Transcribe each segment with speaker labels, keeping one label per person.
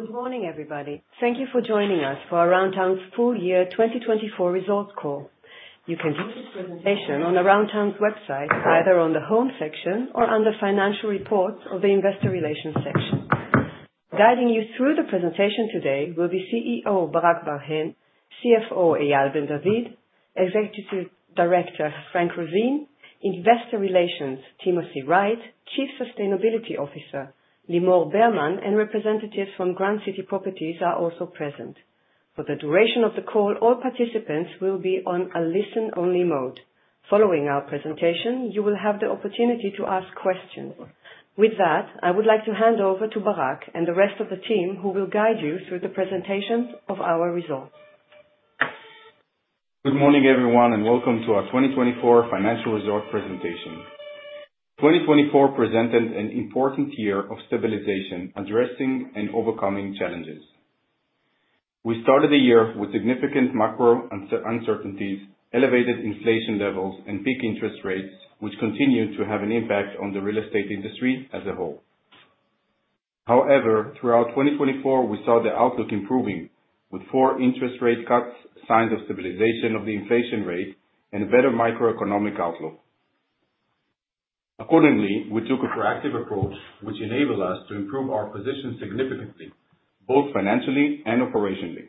Speaker 1: Good morning, everybody. Thank you for joining us for our Aroundtown full year 2024 results call. You can view this presentation on the Aroundtown website, either on the Home section or under Financial Reports or the Investor Relations section. Guiding you through the presentation today will be CEO Barak Bar-Hen, CFO Eyal Ben David, Executive Director Frank Roseen, Investor Relations Timothy Wright, Chief Sustainability Officer Limor Berman, and representatives from Grand City Properties are also present. For the duration of the call, all participants will be on a listen-only mode. Following our presentation, you will have the opportunity to ask questions. With that, I would like to hand over to Barak and the rest of the team who will guide you through the presentation of our results.
Speaker 2: Good morning, everyone, and welcome to our 2024 financial results presentation. 2024 presented an important year of stabilization, addressing and overcoming challenges. We started the year with significant macro uncertainties, elevated inflation levels, and peak interest rates, which continue to have an impact on the real estate industry as a whole. However, throughout 2024, we saw the outlook improving, with four interest rate cuts, signs of stabilization of the inflation rate, and a better macroeconomic outlook. Accordingly, we took a proactive approach, which enabled us to improve our position significantly, both financially and operationally.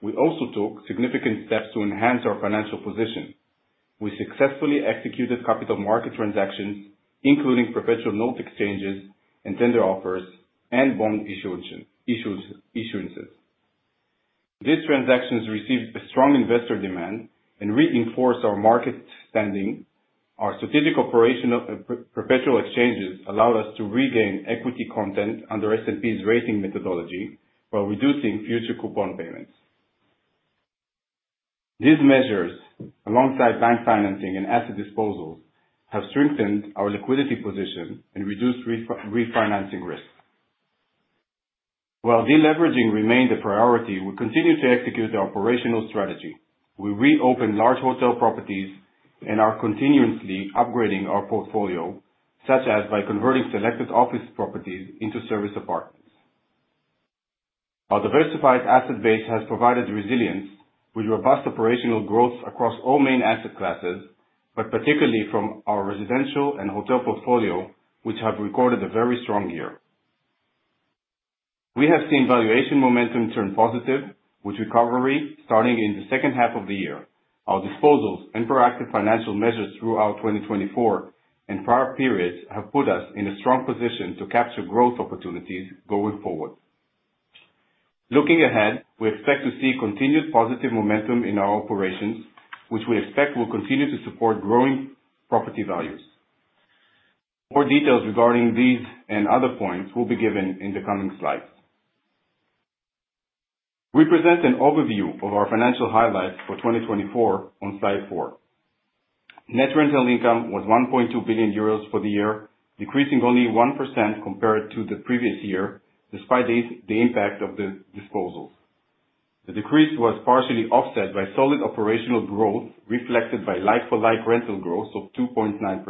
Speaker 2: We also took significant steps to enhance our financial position. We successfully executed capital market transactions, including perpetual note exchanges, tender offers, and bond issuances. These transactions received strong investor demand and reinforced our market standing. Our strategic operational perpetual exchanges allowed us to regain equity content under S&P's rating methodology while reducing future coupon payments. These measures, alongside bank financing and asset disposals, have strengthened our liquidity position and reduced refinancing risk. While deleveraging remained a priority, we continue to execute the operational strategy. We reopened large hotel properties and are continuously upgrading our portfolio, such as by converting selected office properties into service apartments. Our diversified asset base has provided resilience, with robust operational growth across all main asset classes, but particularly from our residential and hotel portfolio, which have recorded a very strong year. We have seen valuation momentum turn positive, with recovery starting in the second half of the year. Our disposals and proactive financial measures throughout 2024 and prior periods have put us in a strong position to capture growth opportunities going forward. Looking ahead, we expect to see continued positive momentum in our operations, which we expect will continue to support growing property values. More details regarding these and other points will be given in the coming slides. We present an overview of our financial highlights for 2024 on slide four. Net rental income was 1.2 billion euros for the year, decreasing only 1% compared to the previous year, despite the impact of the disposals. The decrease was partially offset by solid operational growth, reflected by like-for-like rental growth of 2.9%.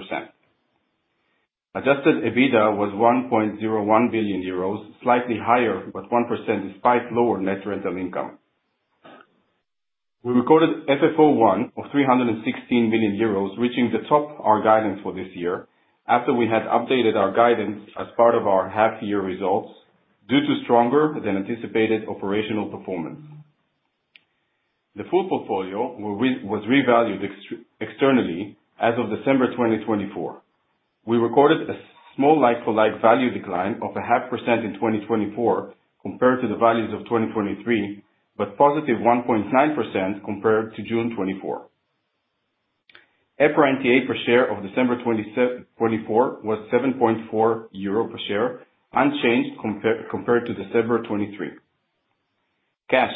Speaker 2: Adjusted EBITDA was 1.01 billion euros, slightly higher by 1% despite lower net rental income. We recorded FFO1 of 316 million euros, reaching the top of our guidance for this year after we had updated our guidance as part of our half-year results due to stronger-than-anticipated operational performance. The full portfolio was revalued externally as of December 2024. We recorded a small like-for-like value decline of 0.5% in 2024 compared to the values of 2023, but positive 1.9% compared to June 2024. EPRA NTA per share of December 2024 was 7.4 euro per share, unchanged compared to December 2023. Cash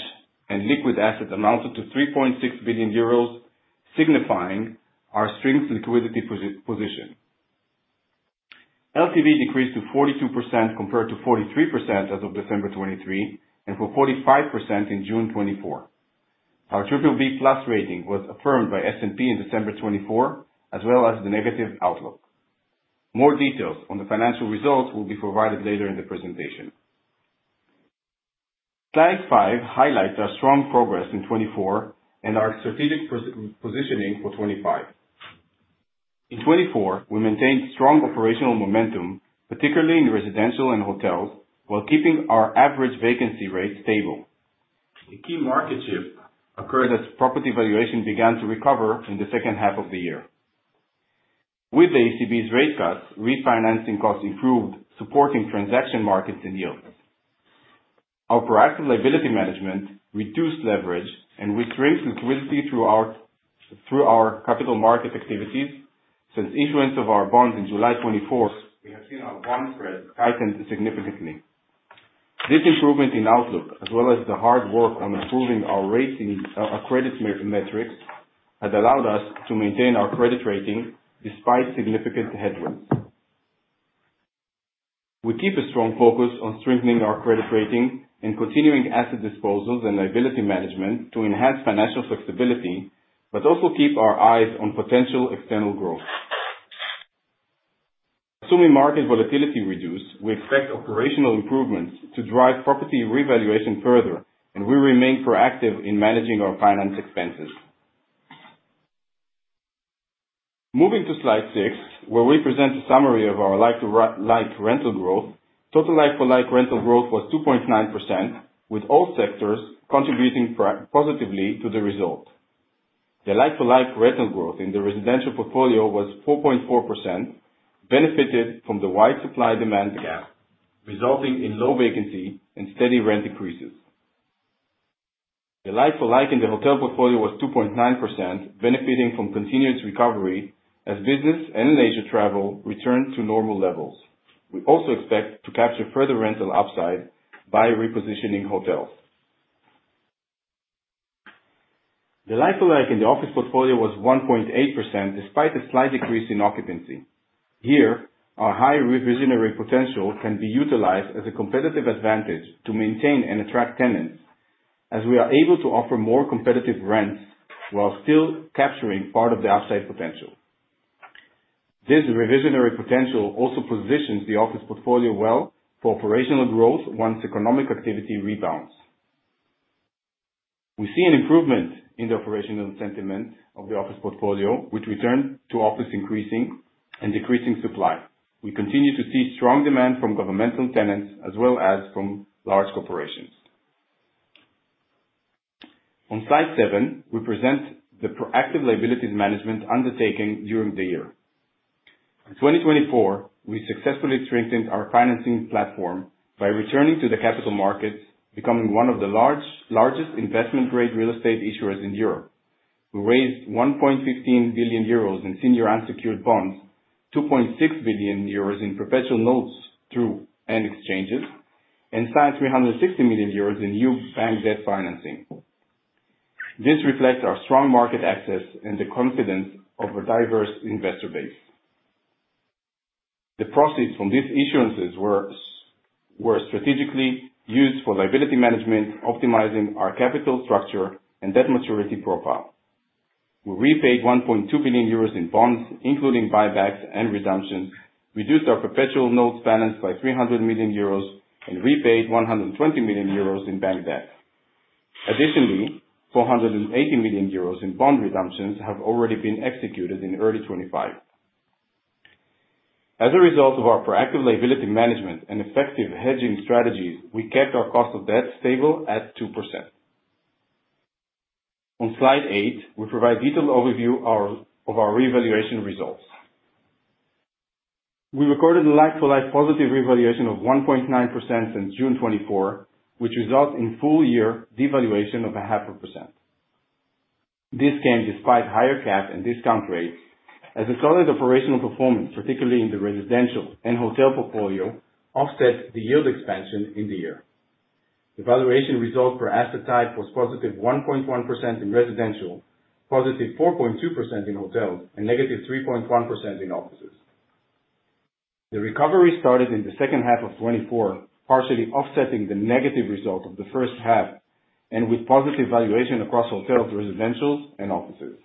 Speaker 2: and liquid assets amounted to 3.6 billion euros, signifying our strong liquidity position. LTV decreased to 42% compared to 43% as of December 2023 and 45% in June 2024. Our BBB+ rating was affirmed by S&P in December 2024, as well as the negative outlook. More details on the financial results will be provided later in the presentation. Slide five highlights our strong progress in 2024 and our strategic positioning for 2025. In 2024, we maintained strong operational momentum, particularly in residential and hotels, while keeping our average vacancy rate stable. A key market shift occurred as property valuation began to recover in the second half of the year. With the ECB's rate cuts, refinancing costs improved, supporting transaction markets and yields. Our proactive liability management reduced leverage and restrained liquidity throughout our capital market activities. Since the issuance of our bonds in July 2024, we have seen our bond spread tighten significantly. This improvement in outlook, as well as the hard work on improving our rating credit metrics, has allowed us to maintain our credit rating despite significant headwinds. We keep a strong focus on strengthening our credit rating and continuing asset disposals and liability management to enhance financial flexibility, but also keep our eyes on potential external growth. Assuming market volatility reduces, we expect operational improvements to drive property revaluation further, and we remain proactive in managing our finance expenses. Moving to slide six, where we present a summary of our like-for-like rental growth, total like-for-like rental growth was 2.9%, with all sectors contributing positively to the result. The like-for-like rental growth in the residential portfolio was 4.4%, benefiting from the wide supply-demand gap, resulting in low vacancy and steady rent increases. The like-for-like in the hotel portfolio was 2.9%, benefiting from continuous recovery as business and leisure travel returned to normal levels. We also expect to capture further rental upside by repositioning hotels. The like-for-like in the office portfolio was 1.8%, despite a slight decrease in occupancy. Here, our high revisionary potential can be utilized as a competitive advantage to maintain and attract tenants, as we are able to offer more competitive rents while still capturing part of the upside potential. This revisionary potential also positions the office portfolio well for operational growth once economic activity rebounds. We see an improvement in the operational sentiment of the office portfolio, with return to office increasing and decreasing supply. We continue to see strong demand from governmental tenants as well as from large corporations. On slide seven, we present the proactive liabilities management undertaken during the year. In 2024, we successfully strengthened our financing platform by returning to the capital markets, becoming one of the largest investment-grade real estate issuers in Europe. We raised 1.15 billion euros in senior unsecured bonds, 2.6 billion euros in perpetual notes through and exchanges, and signed 360 million euros in new bank debt financing. This reflects our strong market access and the confidence of a diverse investor base. The proceeds from these issuances were strategically used for liability management, optimizing our capital structure and debt maturity profile. We repaid 1.2 billion euros in bonds, including buybacks and redemptions, reduced our perpetual notes balance by 300 million euros and repaid 120 million euros in bank debt. Additionally, 480 million euros in bond redemptions have already been executed in early 2025. As a result of our proactive liability management and effective hedging strategies, we kept our cost of debt stable at 2%. On slide eight, we provide a detailed overview of our revaluation results. We recorded a like-for-like positive revaluation of 1.9% since June 2024, which resulted in full-year devaluation of 0.5%. This came despite higher cap and discount rates, as the solid operational performance, particularly in the residential and hotel portfolio, offset the yield expansion in the year. The valuation result per asset type was positive 1.1% in residential, positive 4.2% in hotels, and negative 3.1% in offices. The recovery started in the second half of 2024, partially offsetting the negative result of the first half and with positive valuation across hotels, residentials, and offices.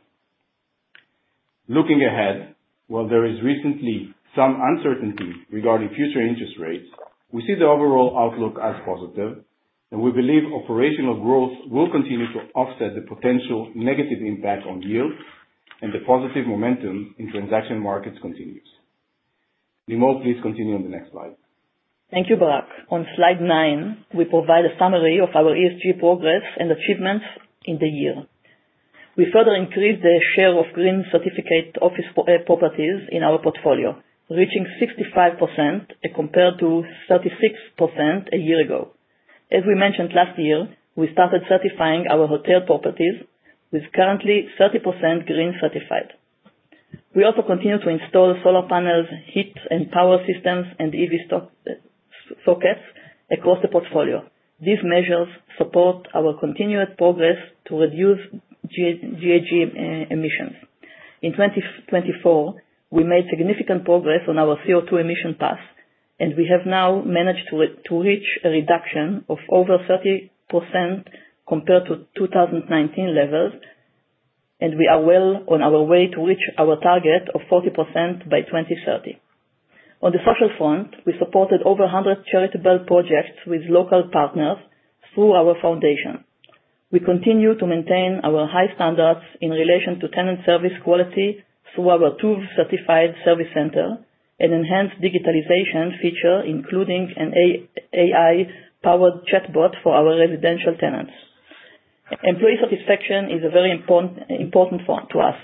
Speaker 2: Looking ahead, while there is recently some uncertainty regarding future interest rates, we see the overall outlook as positive, and we believe operational growth will continue to offset the potential negative impact on yields and the positive momentum in transaction markets continues. Limor, please continue on the next slide.
Speaker 3: Thank you, Barak. On slide nine, we provide a summary of our ESG progress and achievements in the year. We further increased the share of green-certified office properties in our portfolio, reaching 65% compared to 36% a year ago. As we mentioned last year, we started certifying our hotel properties, with currently 30% green-certified. We also continue to install solar panels, heat and power systems, and EV sockets across the portfolio. These measures support our continued progress to reduce GHG emissions. In 2024, we made significant progress on our CO2 emission path, and we have now managed to reach a reduction of over 30% compared to 2019 levels, and we are well on our way to reach our target of 40% by 2030. On the social front, we supported over 100 charitable projects with local partners through our foundation. We continue to maintain our high standards in relation to tenant service quality through our TÜV-certified service center and enhanced digitalization feature, including an AI-powered chatbot for our residential tenants. Employee satisfaction is a very important part to us.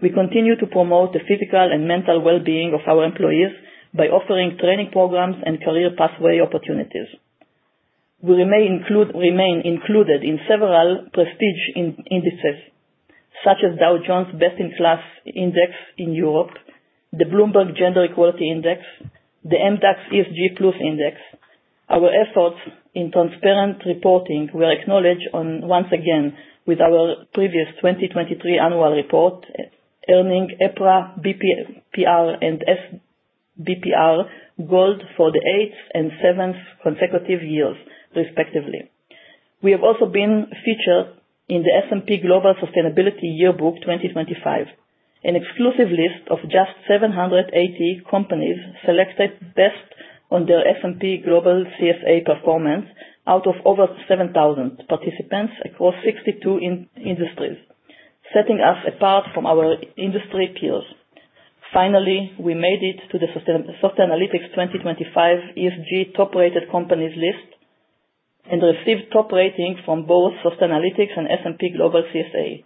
Speaker 3: We continue to promote the physical and mental well-being of our employees by offering training programs and career pathway opportunities. We remain included in several prestige indices, such as Dow Jones Best in Class Index in Europe, the Bloomberg Gender Equality Index, and the MDAX ESG+ Index. Our efforts in transparent reporting were acknowledged once again with our previous 2023 annual report, earning EPRA, BPR, and SBPR gold for the eighth and seventh consecutive years, respectively. We have also been featured in the S&P Global Sustainability Yearbook 2025, an exclusive list of just 780 companies selected based on their S&P Global CSA performance out of over 7,000 participants across 62 industries, setting us apart from our industry peers. Finally, we made it to the Sustainalytics 2025 ESG Top Rated Companies list and received top rating from both Sustainalytics and S&P Global CSA,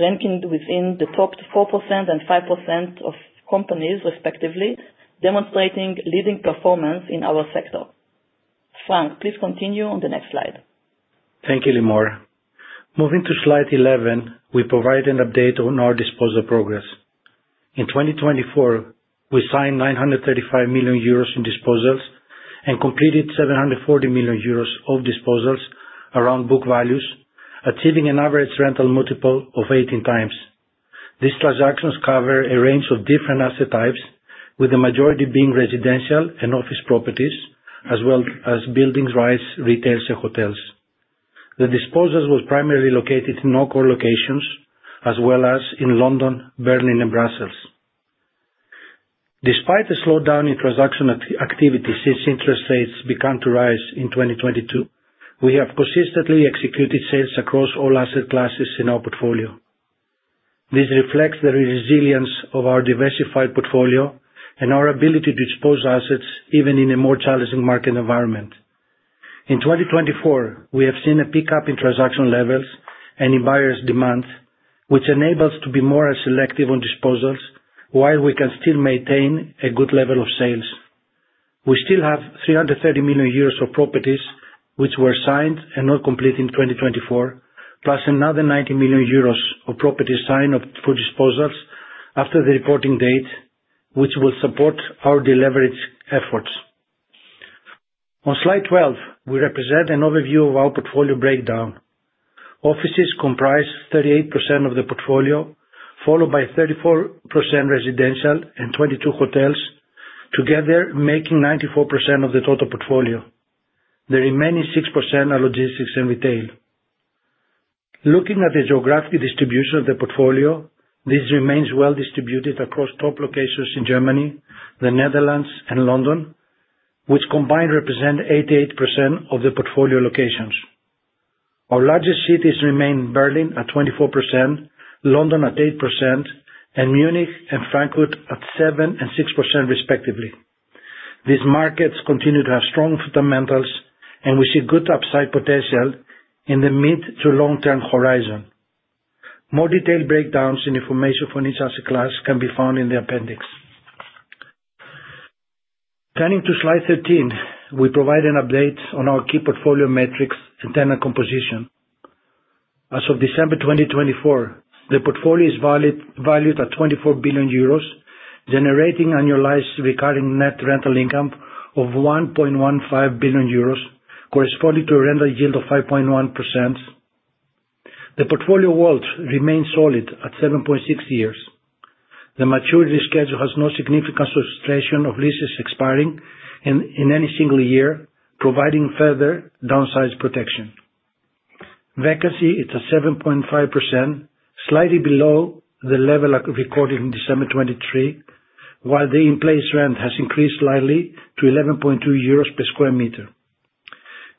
Speaker 3: ranking within the top 4% and 5% of companies, respectively, demonstrating leading performance in our sector. Frank, please continue on the next slide.
Speaker 4: Thank you, Limor. Moving to slide 11, we provide an update on our disposal progress. In 2024, we signed 935 million euros in disposals and completed 740 million euros of disposals around book values, achieving an average rental multiple of 18x. These transactions cover a range of different asset types, with the majority being residential and office properties, as well as buildings, rights, retail, and hotels. The disposals were primarily located in local locations, as well as in London, Berlin, and Brussels. Despite a slowdown in transaction activity since interest rates began to rise in 2022, we have consistently executed sales across all asset classes in our portfolio. This reflects the resilience of our diversified portfolio and our ability to expose assets even in a more challenging market environment. In 2024, we have seen a pickup in transaction levels and in buyer's demand, which enables us to be more selective on disposals, while we can still maintain a good level of sales. We still have 330 million euros of properties which were signed and not completed in 2024, plus another 90 million euros of properties signed for disposals after the reporting date, which will support our delivery efforts. On slide 12, we represent an overview of our portfolio breakdown. Offices comprise 38% of the portfolio, followed by 34% residential and 22% hotels, together making 94% of the total portfolio. The remaining 6% are logistics and retail. Looking at the geographic distribution of the portfolio, this remains well distributed across top locations in Germany, the Netherlands, and London, which combined represent 88% of the portfolio locations. Our largest cities remain Berlin at 24%, London at 8%, and Munich and Frankfurt at 7% and 6%, respectively. These markets continue to have strong fundamentals, and we see good upside potential in the mid to long-term horizon. More detailed breakdowns and information for each asset class can be found in the appendix. Turning to slide 13, we provide an update on our key portfolio metrics and tenant composition. As of December 2024, the portfolio is valued at 24 billion euros, generating annualized recurring net rental income of 1.15 billion euros, corresponding to a rental yield of 5.1%. The portfolio holds remain solid at 7.6 years. The maturity schedule has no significant frustration of leases expiring in any single year, providing further downsize protection. Vacancy is at 7.5%, slightly below the level recorded in December 2023, while the in-place rent has increased slightly to 11.2 euros per square meter.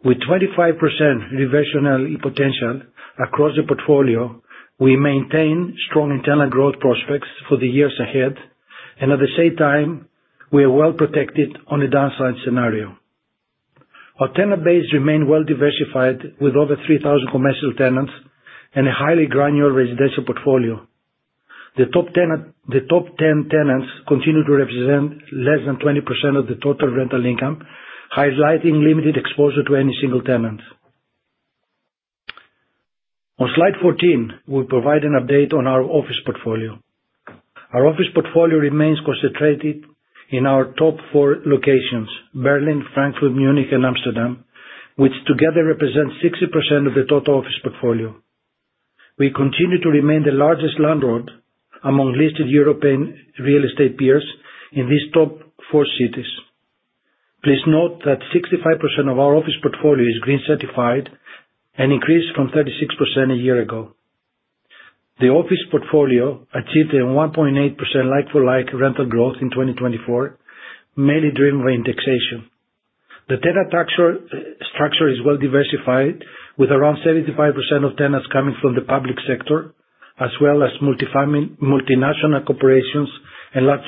Speaker 4: With 25% revisionary potential across the portfolio, we maintain strong internal growth prospects for the years ahead, and at the same time, we are well protected on a downside scenario. Our tenant base remains well diversified, with over 3,000 commercial tenants and a highly granular residential portfolio. The top 10 tenants continue to represent less than 20% of the total rental income, highlighting limited exposure to any single tenant. On slide 14, we provide an update on our office portfolio. Our office portfolio remains concentrated in our top four locations: Berlin, Frankfurt, Munich, and Amsterdam, which together represent 60% of the total office portfolio. We continue to remain the largest landlord among listed European real estate peers in these top four cities. Please note that 65% of our office portfolio is green-certified and increased from 36% a year ago. The office portfolio achieved a 1.8% like-for-like rental growth in 2024, mainly driven by indexation. The tenant tax structure is well diversified, with around 75% of tenants coming from the public sector, as well as multinational corporations and large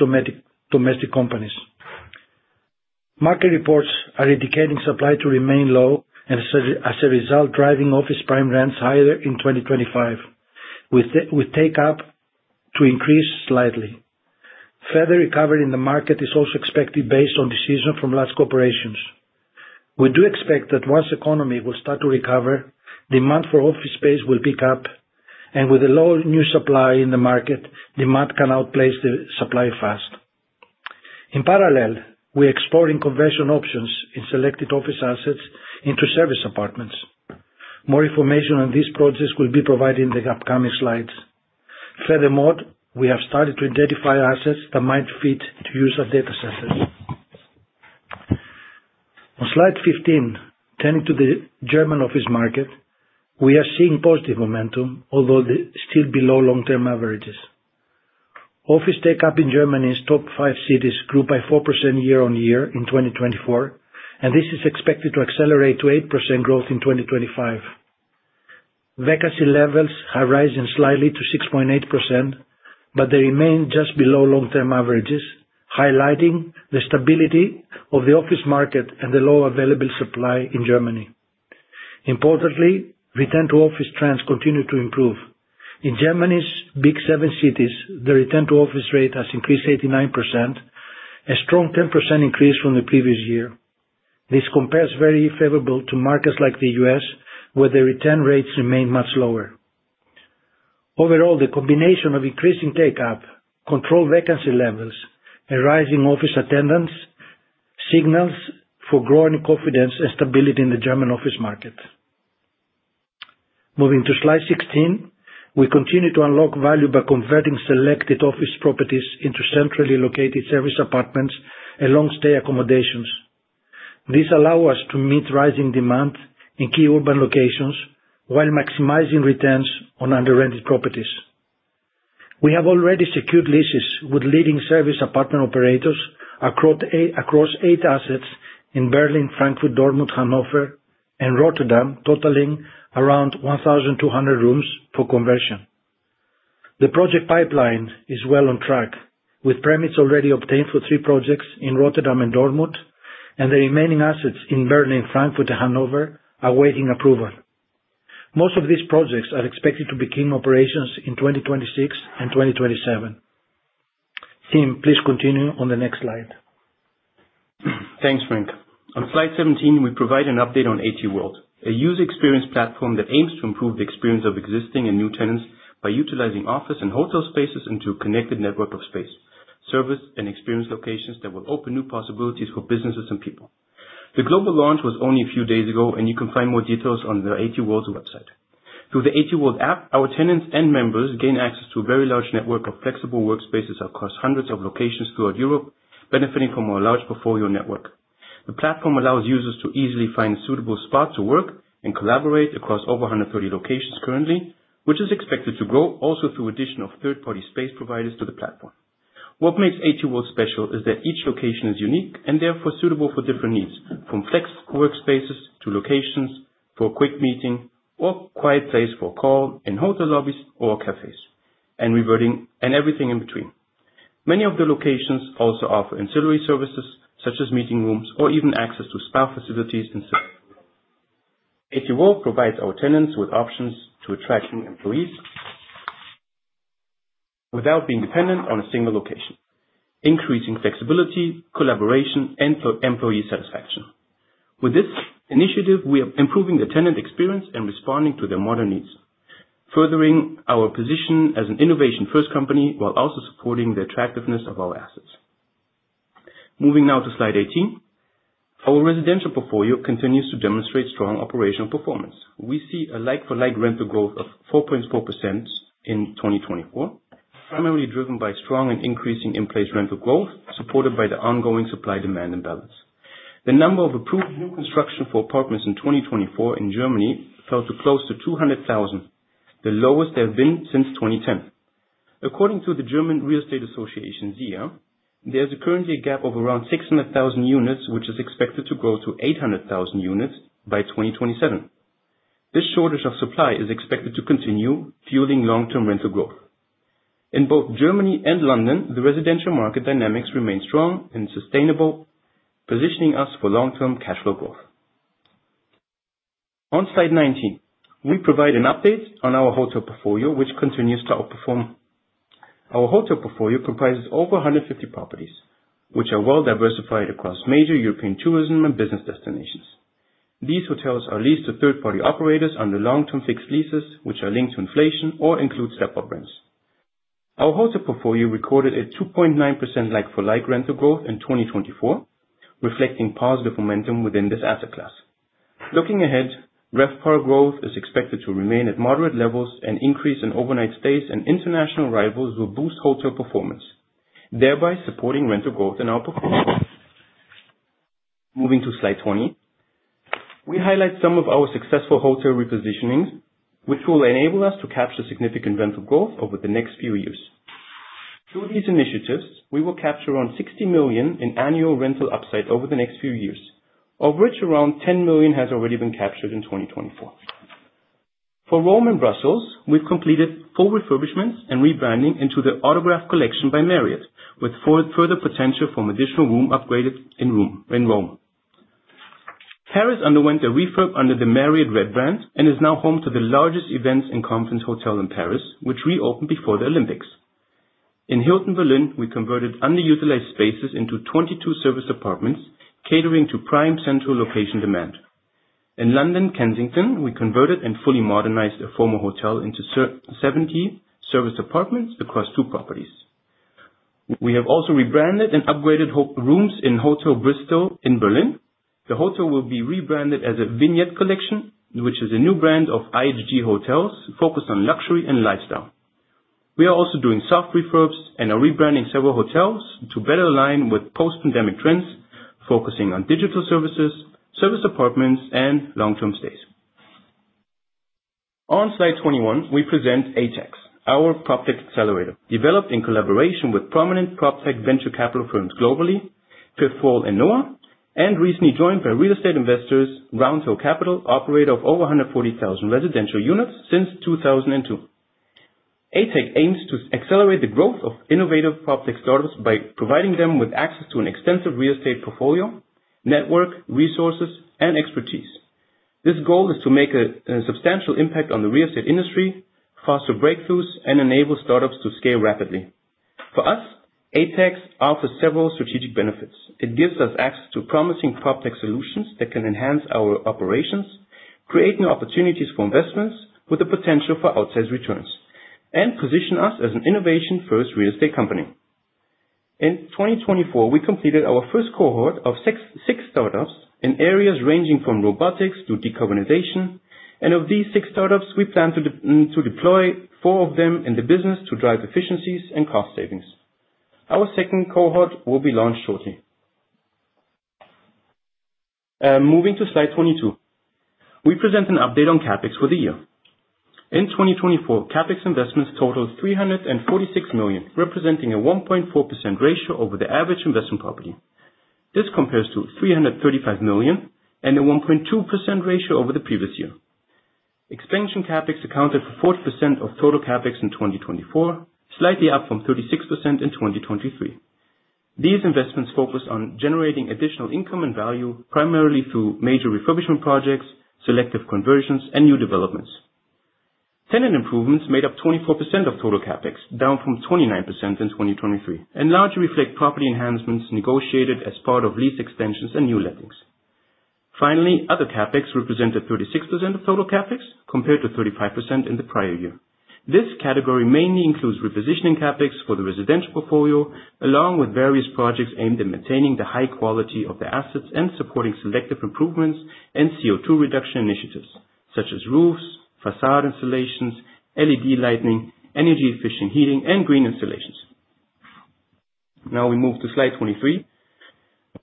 Speaker 4: domestic companies. Market reports are indicating supply to remain low and, as a result, driving office prime rents higher in 2025, with take-up to increase slightly. Further recovery in the market is also expected based on decisions from large corporations. We do expect that once the economy will start to recover, demand for office space will pick up, and with the low new supply in the market, demand can outplace the supply fast. In parallel, we are exploring conversion options in selected office assets into service apartments. More information on these projects will be provided in the upcoming slides. Furthermore, we have started to identify assets that might fit the use of data centers. On slide 15, turning to the German office market, we are seeing positive momentum, although still below long-term averages. Office take-up in Germany's top five cities grew by 4% year-on-year in 2024, and this is expected to accelerate to 8% growth in 2025. Vacancy levels have risen slightly to 6.8%, but they remain just below long-term averages, highlighting the stability of the office market and the low available supply in Germany. Importantly, return-to-office trends continue to improve. In Germany's big seven cities, the return-to-office rate has increased 89%, a strong 10% increase from the previous year. This compares very favorably to markets like the U.S., where the return rates remain much lower. Overall, the combination of increasing take-up, controlled vacancy levels, and rising office attendance signals for growing confidence and stability in the German office market. Moving to slide 16, we continue to unlock value by converting selected office properties into centrally located service apartments and long-stay accommodations. This allows us to meet rising demand in key urban locations while maximizing returns on under-rented properties. We have already secured leases with leading service apartment operators across eight assets in Berlin, Frankfurt, Dortmund, Hanover, and Rotterdam, totaling around 1,200 rooms for conversion. The project pipeline is well on track, with permits already obtained for three projects in Rotterdam and Dortmund, and the remaining assets in Berlin, Frankfurt, and Hanover are awaiting approval. Most of these projects are expected to begin operations in 2026 and 2027. Tim, please continue on the next slide.
Speaker 5: Thanks, Frank. On slide 17, we provide an update on ET World, a user experience platform that aims to improve the experience of existing and new tenants by utilizing office and hotel spaces into a connected network of space, service, and experience locations that will open new possibilities for businesses and people. The global launch was only a few days ago, and you can find more details on the ATworld's website. Through the ATworld app, our tenants and members gain access to a very large network of flexible workspaces across hundreds of locations throughout Europe, benefiting from a large portfolio network. The platform allows users to easily find a suitable spot to work and collaborate across over 130 locations currently, which is expected to grow also through the addition of third-party space providers to the platform. What makes ATworld special is that each location is unique and therefore suitable for different needs, from flex workspaces to locations for a quick meeting or quiet place for a call in hotel lobbies or cafés, and everything in between. Many of the locations also offer ancillary services such as meeting rooms or even access to spa facilities and such. ATworld provides our tenants with options to attract new employees without being dependent on a single location, increasing flexibility, collaboration, and employee satisfaction. With this initiative, we are improving the tenant experience and responding to their modern needs, furthering our position as an innovation-first company while also supporting the attractiveness of our assets. Moving now to slide 18, our residential portfolio continues to demonstrate strong operational performance. We see a like-for-like rental growth of 4.4% in 2024, primarily driven by strong and increasing in-place rental growth supported by the ongoing supply-demand imbalance. The number of approved new construction for apartments in 2024 in Germany fell to close to 200,000, the lowest they have been since 2010. According to the German Real Estate Association ZIA, there is currently a gap of around 600,000 units, which is expected to grow to 800,000 units by 2027. This shortage of supply is expected to continue, fueling long-term rental growth. In both Germany and London, the residential market dynamics remain strong and sustainable, positioning us for long-term cash flow growth. On slide 19, we provide an update on our hotel portfolio, which continues to outperform. Our hotel portfolio comprises over 150 properties, which are well diversified across major European tourism and business destinations. These hotels are leased to third-party operators under long-term fixed leases, which are linked to inflation or include step-up rents. Our hotel portfolio recorded a 2.9% like-for-like rental growth in 2024, reflecting positive momentum within this asset class. Looking ahead, RevPAR growth is expected to remain at moderate levels, and increases in overnight stays and international arrivals will boost hotel performance, thereby supporting rental growth in our portfolio. Moving to slide 20, we highlight some of our successful hotel repositionings, which will enable us to capture significant rental growth over the next few years. Through these initiatives, we will capture around 60 million in annual rental upside over the next few years, of which around 10 million has already been captured in 2024. For Rome and Brussels, we've completed full refurbishments and rebranding into the Autograph Collection by Marriott, with further potential for additional room upgrades in Rome. Paris underwent a refurb under the Marriott Red Brand and is now home to the largest events and conference hotel in Paris, which reopened before the Olympics. In Hilton Berlin, we converted under-utilized spaces into 22 service apartments, catering to prime central location demand. In London, Kensington, we converted and fully modernized a former hotel into 70 service apartments across two properties. We have also rebranded and upgraded rooms in Hotel Bristol in Berlin. The hotel will be rebranded as a Vignette Collection, which is a new brand of IHG hotels focused on luxury and lifestyle. We are also doing soft refurbs and are rebranding several hotels to better align with post-pandemic trends, focusing on digital services, service apartments, and long-term stays. On slide 21, we present ATechX, our proptech accelerator, developed in collaboration with prominent proptech venture capital firms globally, Fifthwall and noa, and recently joined by real estate investors Round Hill Capital, operator of over 140,000 residential units since 2002. ATechX aims to accelerate the growth of innovative proptech startups by providing them with access to an extensive real estate portfolio, network, resources, and expertise. This goal is to make a substantial impact on the real estate industry, foster breakthroughs, and enable startups to scale rapidly. For us, ATechX offers several strategic benefits. It gives us access to promising proptech solutions that can enhance our operations, create new opportunities for investments with the potential for outsized returns, and position us as an innovation-first real estate company. In 2024, we completed our first cohort of six startups in areas ranging from robotics to decarbonization. Of these six startups, we plan to deploy four of them in the business to drive efficiencies and cost savings. Our second cohort will be launched shortly. Moving to slide 22, we present an update on CapEx for the year. In 2024, CapEx investments totaled EUR 346 million, representing a 1.4% ratio over the average investment property. This compares to EUR 335 million and a 1.2% ratio over the previous year. Expansion CapEx accounted for 40% of total CapEx in 2024, slightly up from 36% in 2023. These investments focus on generating additional income and value, primarily through major refurbishment projects, selective conversions, and new developments. Tenant improvements made up 24% of total CapEx, down from 29% in 2023, and largely reflect property enhancements negotiated as part of lease extensions and new lettings. Finally, other CapEx represented 36% of total CapEx, compared to 35% in the prior year. This category mainly includes repositioning CapEx for the residential portfolio, along with various projects aimed at maintaining the high quality of the assets and supporting selective improvements and CO2 reduction initiatives, such as roofs, facade installations, LED lighting, energy-efficient heating, and green installations. Now we move to slide 23,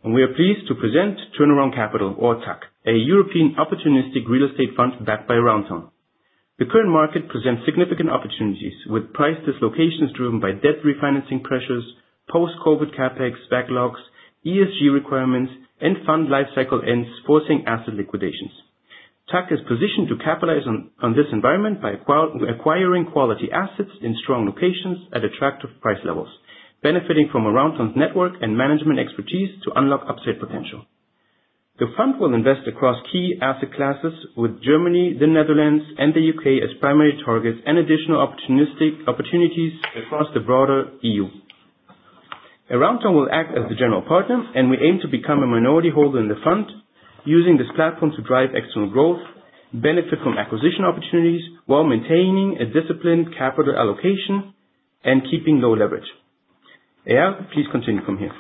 Speaker 5: and we are pleased to present Turnaround Capital, or TAC, a European Opportunistic Real Estate Fund backed by Aroundtown. The current market presents significant opportunities, with price dislocations driven by debt refinancing pressures, post-COVID CapEx backlogs, ESG requirements, and fund lifecycle ends forcing asset liquidations. TAC is positioned to capitalize on this environment by acquiring quality assets in strong locations at attractive price levels, benefiting from Aroundtown's network and management expertise to unlock upside potential. The fund will invest across key asset classes, with Germany, the Netherlands, and the U.K. as primary targets and additional opportunities across the broader EU. Aroundtown will act as the general partner, and we aim to become a minority holder in the fund, using this platform to drive external growth, benefit from acquisition opportunities, while maintaining a disciplined capital allocation and keeping low leverage. Eyal, please continue from here.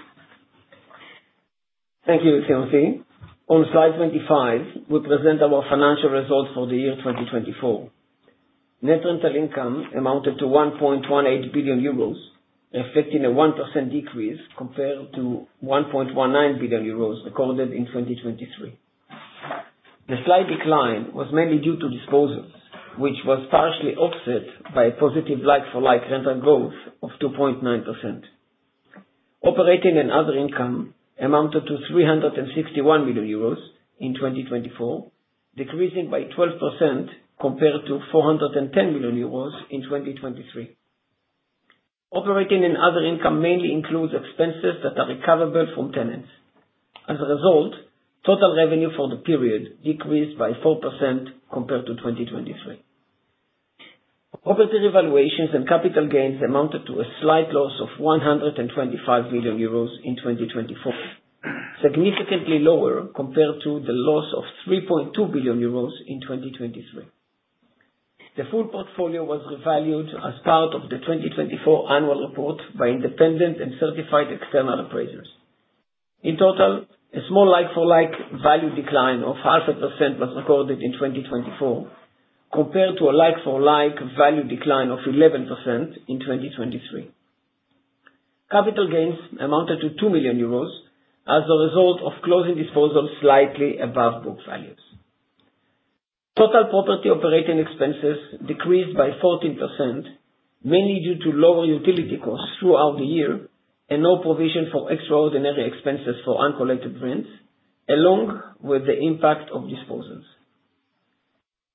Speaker 6: Thank you, Timothy. On slide 25, we present our financial results for the year 2024. Net rental income amounted to 1.18 billion euros, reflecting a 1% decrease compared to 1.19 billion euros recorded in 2023. The slight decline was mainly due to disposals, which was partially offset by a positive like-for-like rental growth of 2.9%. Operating and other income amounted to 361 million euros in 2024, decreasing by 12% compared to 410 million euros in 2023. Operating and other income mainly includes expenses that are recoverable from tenants. As a result, total revenue for the period decreased by 4% compared to 2023. Property revaluations and capital gains amounted to a slight loss of 125 million euros in 2024, significantly lower compared to the loss of 3.2 billion euros in 2023. The full portfolio was revalued as part of the 2024 annual report by independent and certified external appraisers. In total, a small like-for-like value decline of 0.5% was recorded in 2024, compared to a like-for-like value decline of 11% in 2023. Capital gains amounted to 2 million euros as a result of closing disposals slightly above book values. Total property operating expenses decreased by 14%, mainly due to lower utility costs throughout the year and no provision for extraordinary expenses for uncollected rents, along with the impact of disposals.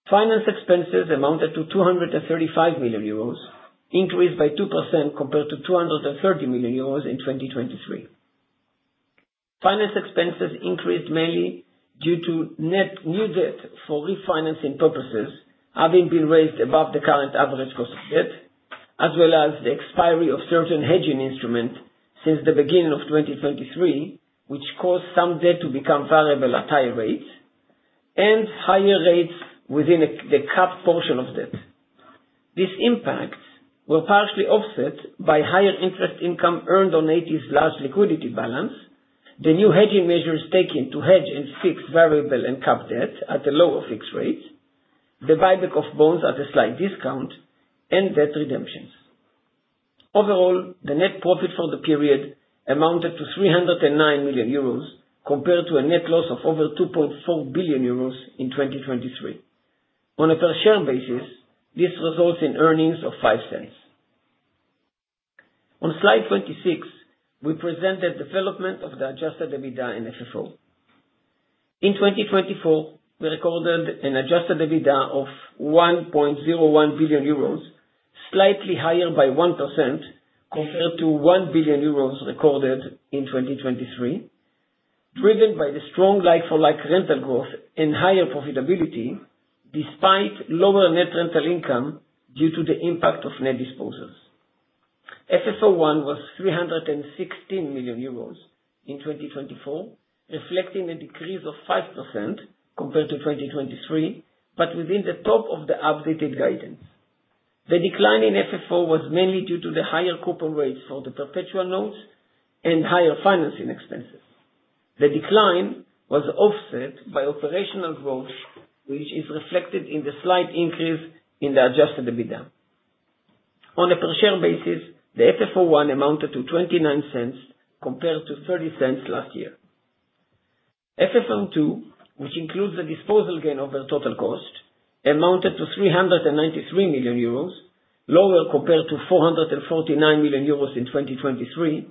Speaker 6: Finance expenses amounted to 235 million euros, increased by 2% compared to 230 million euros in 2023. Finance expenses increased mainly due to new debt for refinancing purposes having been raised above the current average cost of debt, as well as the expiry of certain hedging instruments since the beginning of 2023, which caused some debt to become variable at higher rates and higher rates within the capped portion of debt. These impacts were partially offset by higher interest income earned on AT's large liquidity balance, the new hedging measures taken to hedge and fix variable and capped debt at a lower fixed rate, the buyback of bonds at a slight discount, and debt redemptions. Overall, the net profit for the period amounted to 309 million euros compared to a net loss of over 2.4 billion euros in 2023. On a per-share basis, this results in earnings of 0.05. On slide 26, we presented the development of the adjusted EBITDA and FFO. In 2024, we recorded an adjusted EBITDA of 1.01 billion euros, slightly higher by 1% compared to 1 billion euros recorded in 2023, driven by the strong like-for-like rental growth and higher profitability despite lower net rental income due to the impact of net disposals. FFO1 was 316 million euros in 2024, reflecting a decrease of 5% compared to 2023, but within the top of the updated guidance. The decline in FFO was mainly due to the higher coupon rates for the perpetual notes and higher financing expenses. The decline was offset by operational growth, which is reflected in the slight increase in the adjusted EBITDA. On a per-share basis, the FFO1 amounted to 0.29 compared to 0.30 last year. FFO2, which includes the disposal gain over total cost, amounted to 393 million euros, lower compared to 449 million euros in 2023,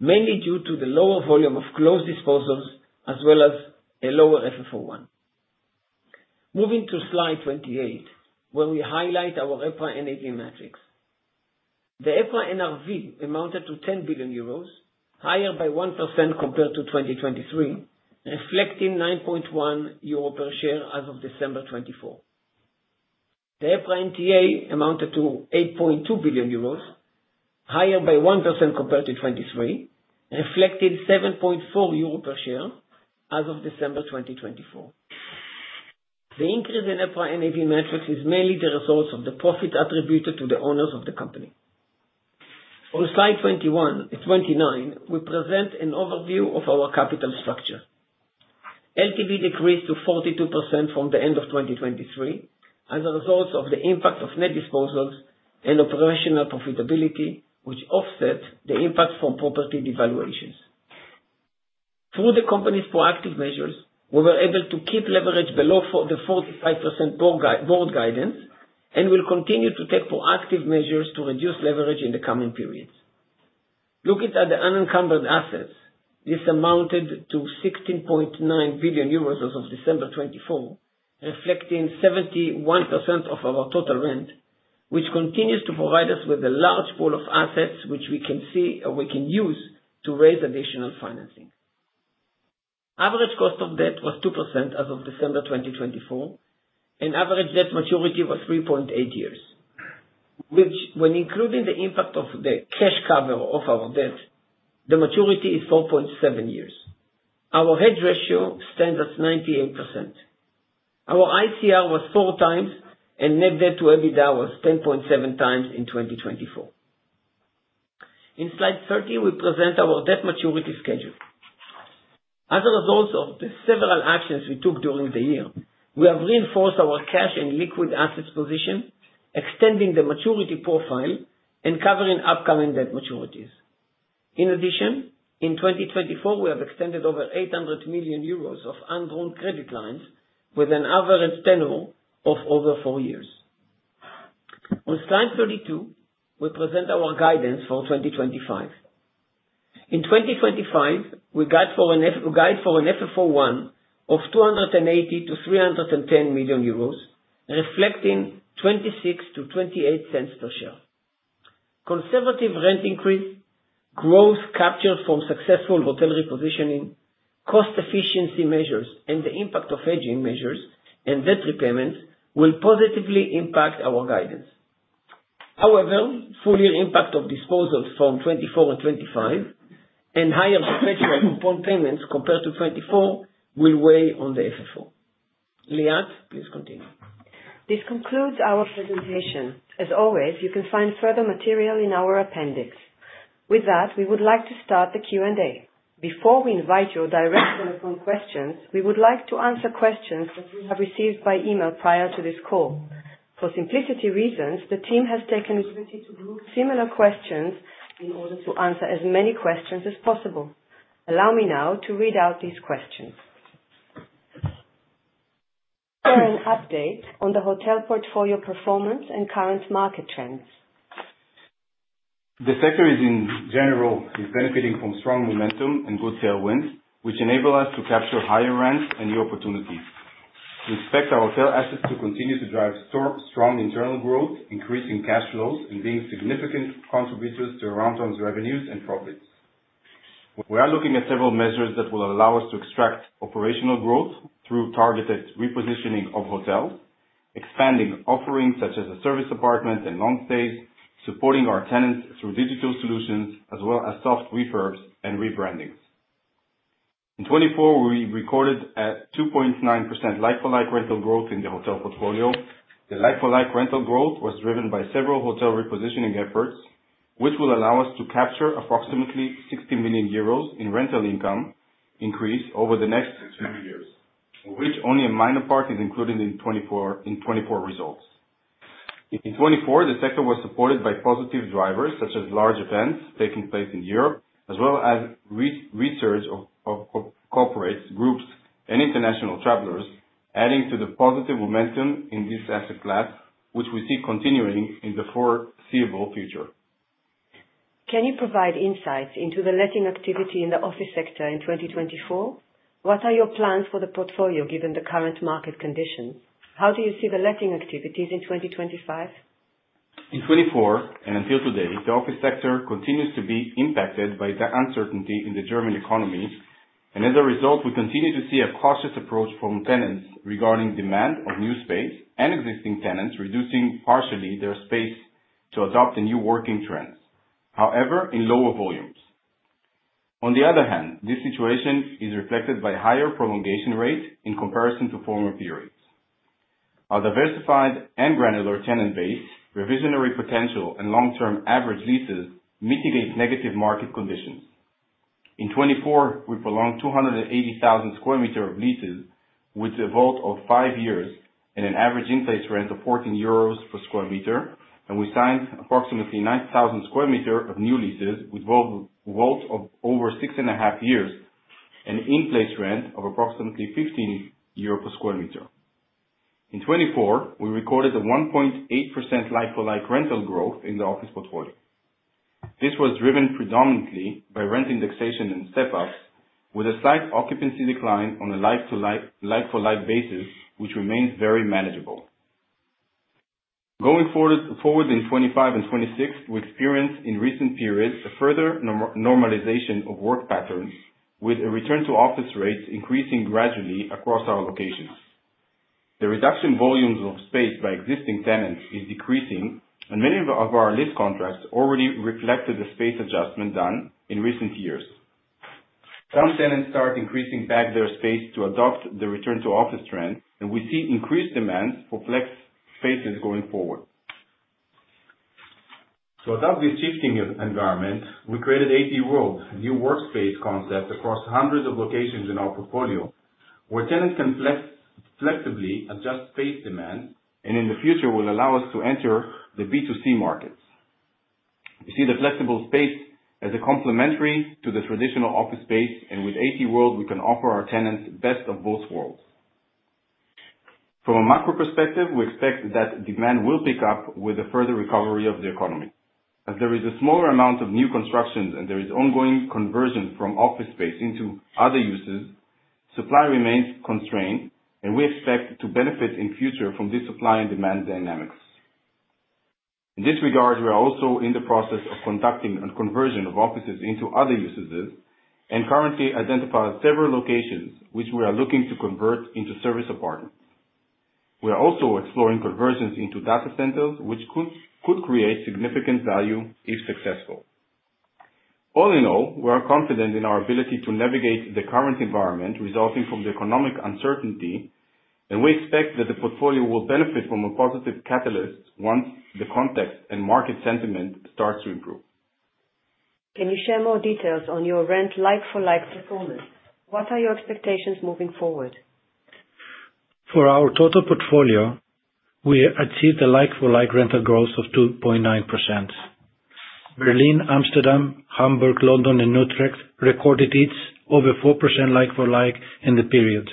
Speaker 6: mainly due to the lower volume of closed disposals as well as a lower FFO1. Moving to slide 28, where we highlight our EPRA NAV metrics. The EPRA NRV amounted to 10 billion euros, higher by 1% compared to 2023, reflecting 9.1 euro per share as of December 2024. The EPRA NTA amounted to 8.2 billion euros, higher by 1% compared to 2023, reflecting 7.4 euro per share as of December 2024. The increase in EPRA NAV metrics is mainly the result of the profit attributed to the owners of the company. On slide 21, we present an overview of our capital structure. LTV decreased to 42% from the end of 2023 as a result of the impact of net disposals and operational profitability, which offset the impact from property devaluations. Through the company's proactive measures, we were able to keep leverage below the 45% board guidance and will continue to take proactive measures to reduce leverage in the coming periods. Looking at the unencumbered assets, this amounted to 16.9 billion euros as of December 2024, reflecting 71% of our total rent, which continues to provide us with a large pool of assets which we can see or we can use to raise additional financing. Average cost of debt was 2% as of December 2024, and average debt maturity was 3.8 years, which, when including the impact of the cash cover of our debt, the maturity is 4.7 years. Our hedge ratio stands at 98%. Our ICR was 4x, and net debt to EBITDA was 10.7x in 2024. In slide 30, we present our debt maturity schedule. As a result of the several actions we took during the year, we have reinforced our cash and liquid assets position, extending the maturity profile and covering upcoming debt maturities. In addition, in 2024, we have extended over 800 million euros of unbroken credit lines with an average tenor of over four years. On slide 32, we present our guidance for 2025. In 2025, we guide for an FFO1 of 280 million-310 million euros, reflecting 0.26-0.28 per share. Conservative rent increase, growth captured from successful hotel repositioning, cost efficiency measures, and the impact of hedging measures and debt repayments will positively impact our guidance. However, full year impact of disposals from 2024 and 2025 and higher perpetual coupon payments compared to 2024 will weigh on the FFO. Liat, please continue.
Speaker 1: This concludes our presentation. As always, you can find further material in our appendix. With that, we would like to start the Q&A. Before we invite your direct telephone questions, we would like to answer questions that we have received by email prior to this call. For simplicity reasons, the team has taken the liberty to group similar questions in order to answer as many questions as possible. Allow me now to read out these questions. For an update on the hotel portfolio performance and current market trends.
Speaker 2: The sector is, in general, benefiting from strong momentum and good tailwinds, which enable us to capture higher rents and new opportunities. We expect our hotel assets to continue to drive strong internal growth, increasing cash flows and being significant contributors to Aroundtown's revenues and profits. We are looking at several measures that will allow us to extract operational growth through targeted repositioning of hotels, expanding offerings such as a service apartment and long stays, supporting our tenants through digital solutions, as well as soft refurbs and rebrandings. In 2024, we recorded a 2.9% like-for-like rental growth in the hotel portfolio. The like-for-like rental growth was driven by several hotel repositioning efforts, which will allow us to capture approximately 60 million euros in rental income increase over the next two years, of which only a minor part is included in 2024 results. In 2024, the sector was supported by positive drivers such as large events taking place in Europe, as well as research of corporates, groups, and international travelers, adding to the positive momentum in this asset class, which we see continuing in the foreseeable future.
Speaker 1: Can you provide insights into the letting activity in the office sector in 2024? What are your plans for the portfolio given the current market conditions? How do you see the letting activities in 2025?
Speaker 2: In 2024 and until today, the office sector continues to be impacted by the uncertainty in the German economy, and as a result, we continue to see a cautious approach from tenants regarding demand of new space and existing tenants reducing partially their space to adopt the new working trends, however, in lower volumes. On the other hand, this situation is reflected by a higher prolongation rate in comparison to former periods. Our diversified and granular tenant base, revisionary potential, and long-term average leases mitigate negative market conditions. In 2024, we prolonged 280,000 sq m of leases with a vault of five years and an average in-place rent of 14 euros per sq m, and we signed approximately 9,000 sq m of new leases with a vault of over six and a half years and in-place rent of approximately 15 euro per sq m. In 2024, we recorded a 1.8% like-for-like rental growth in the office portfolio. This was driven predominantly by rent indexation and step-ups, with a slight occupancy decline on a like-for-like basis, which remains very manageable. Going forward in 2025 and 2026, we experience in recent periods a further normalization of work patterns, with return-to-office rates increasing gradually across our locations. The reduction volumes of space by existing tenants is decreasing, and many of our lease contracts already reflected the space adjustment done in recent years. Some tenants start increasing back their space to adopt the return-to-office trend, and we see increased demands for flex spaces going forward. To adapt to this shifting environment, we created ATworld, a new workspace concept across hundreds of locations in our portfolio, where tenants can flexibly adjust space demand and in the future will allow us to enter the B2C markets. We see the flexible space as a complementary to the traditional office space, and with ATworld, we can offer our tenants the best of both worlds. From a macro perspective, we expect that demand will pick up with the further recovery of the economy. As there is a smaller amount of new constructions and there is ongoing conversion from office space into other uses, supply remains constrained, and we expect to benefit in future from this supply and demand dynamics. In this regard, we are also in the process of conducting a conversion of offices into other uses and currently identify several locations which we are looking to convert into service apartments. We are also exploring conversions into data centers, which could create significant value if successful. All in all, we are confident in our ability to navigate the current environment resulting from the economic uncertainty, and we expect that the portfolio will benefit from a positive catalyst once the context and market sentiment starts to improve.
Speaker 1: Can you share more details on your rent like-for-like performance? What are your expectations moving forward?
Speaker 4: For our total portfolio, we achieved a like-for-like rental growth of 2.9%. Berlin, Amsterdam, Hamburg, London, and Utrecht recorded each over 4% like-for-like in the period.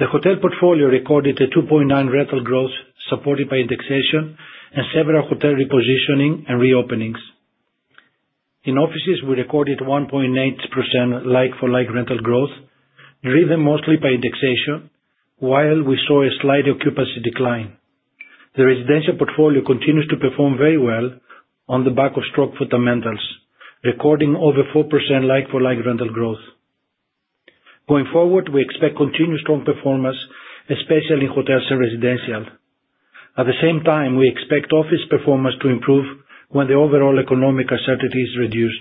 Speaker 4: The hotel portfolio recorded a 2.9% rental growth supported by indexation and several hotel repositioning and reopenings. In offices, we recorded 1.8% like-for-like rental growth, driven mostly by indexation, while we saw a slight occupancy decline. The residential portfolio continues to perform very well on the back of strong fundamentals, recording over 4% like-for-like rental growth. Going forward, we expect continued strong performance, especially in hotels and residential. At the same time, we expect office performance to improve when the overall economic uncertainty is reduced.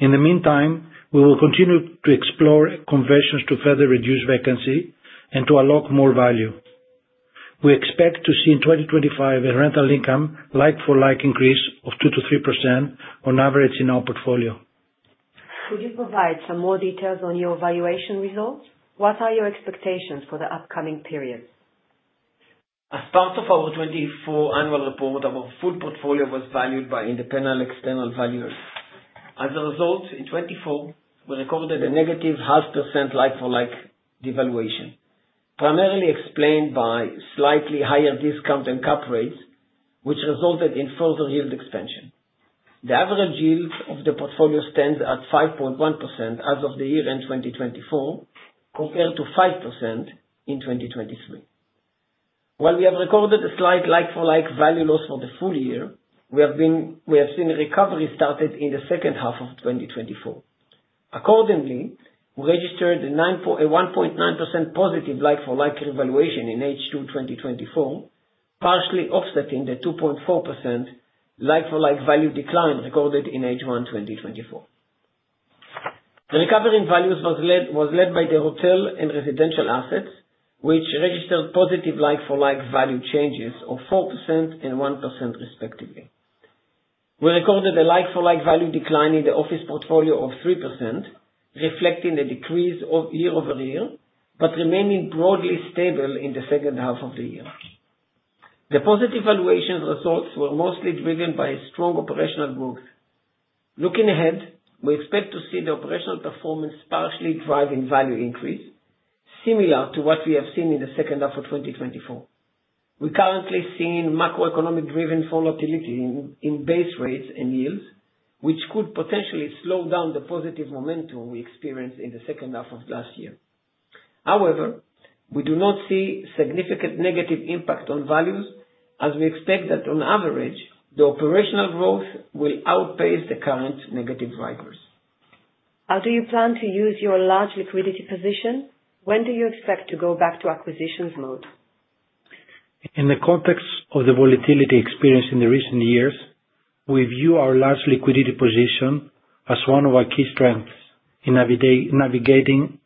Speaker 4: In the meantime, we will continue to explore conversions to further reduce vacancy and to allocate more value. We expect to see in 2025 a rental income like-for-like increase of 2-3% on average in our portfolio.
Speaker 1: Could you provide some more details on your valuation results? What are your expectations for the upcoming period?
Speaker 6: As part of our 2024 annual report, our full portfolio was valued by independent external valuers. As a result, in 2024, we recorded a negative 0.5% like-for-like devaluation, primarily explained by slightly higher discount and cap rates, which resulted in further yield expansion. The average yield of the portfolio stands at 5.1% as of the year end 2024, compared to 5% in 2023. While we have recorded a slight like-for-like value loss for the full year, we have seen a recovery started in the second half of 2024. Accordingly, we registered a 1.9% positive like-for-like revaluation in H2 2024, partially offsetting the 2.4% like-for-like value decline recorded in H1 2024. The recovery in values was led by the hotel and residential assets, which registered positive like-for-like value changes of 4% and 1%, respectively. We recorded a like-for-like value decline in the office portfolio of 3%, reflecting a decrease year-over-year, but remaining broadly stable in the second half of the year. The positive valuation results were mostly driven by strong operational growth. Looking ahead, we expect to see the operational performance partially drive in value increase, similar to what we have seen in the second half of 2024. We currently see macroeconomic-driven volatility in base rates and yields, which could potentially slow down the positive momentum we experienced in the second half of last year. However, we do not see significant negative impact on values, as we expect that on average, the operational growth will outpace the current negative drivers.
Speaker 1: How do you plan to use your large liquidity position? When do you expect to go back to acquisitions mode?
Speaker 4: In the context of the volatility experienced in the recent years, we view our large liquidity position as one of our key strengths in navigating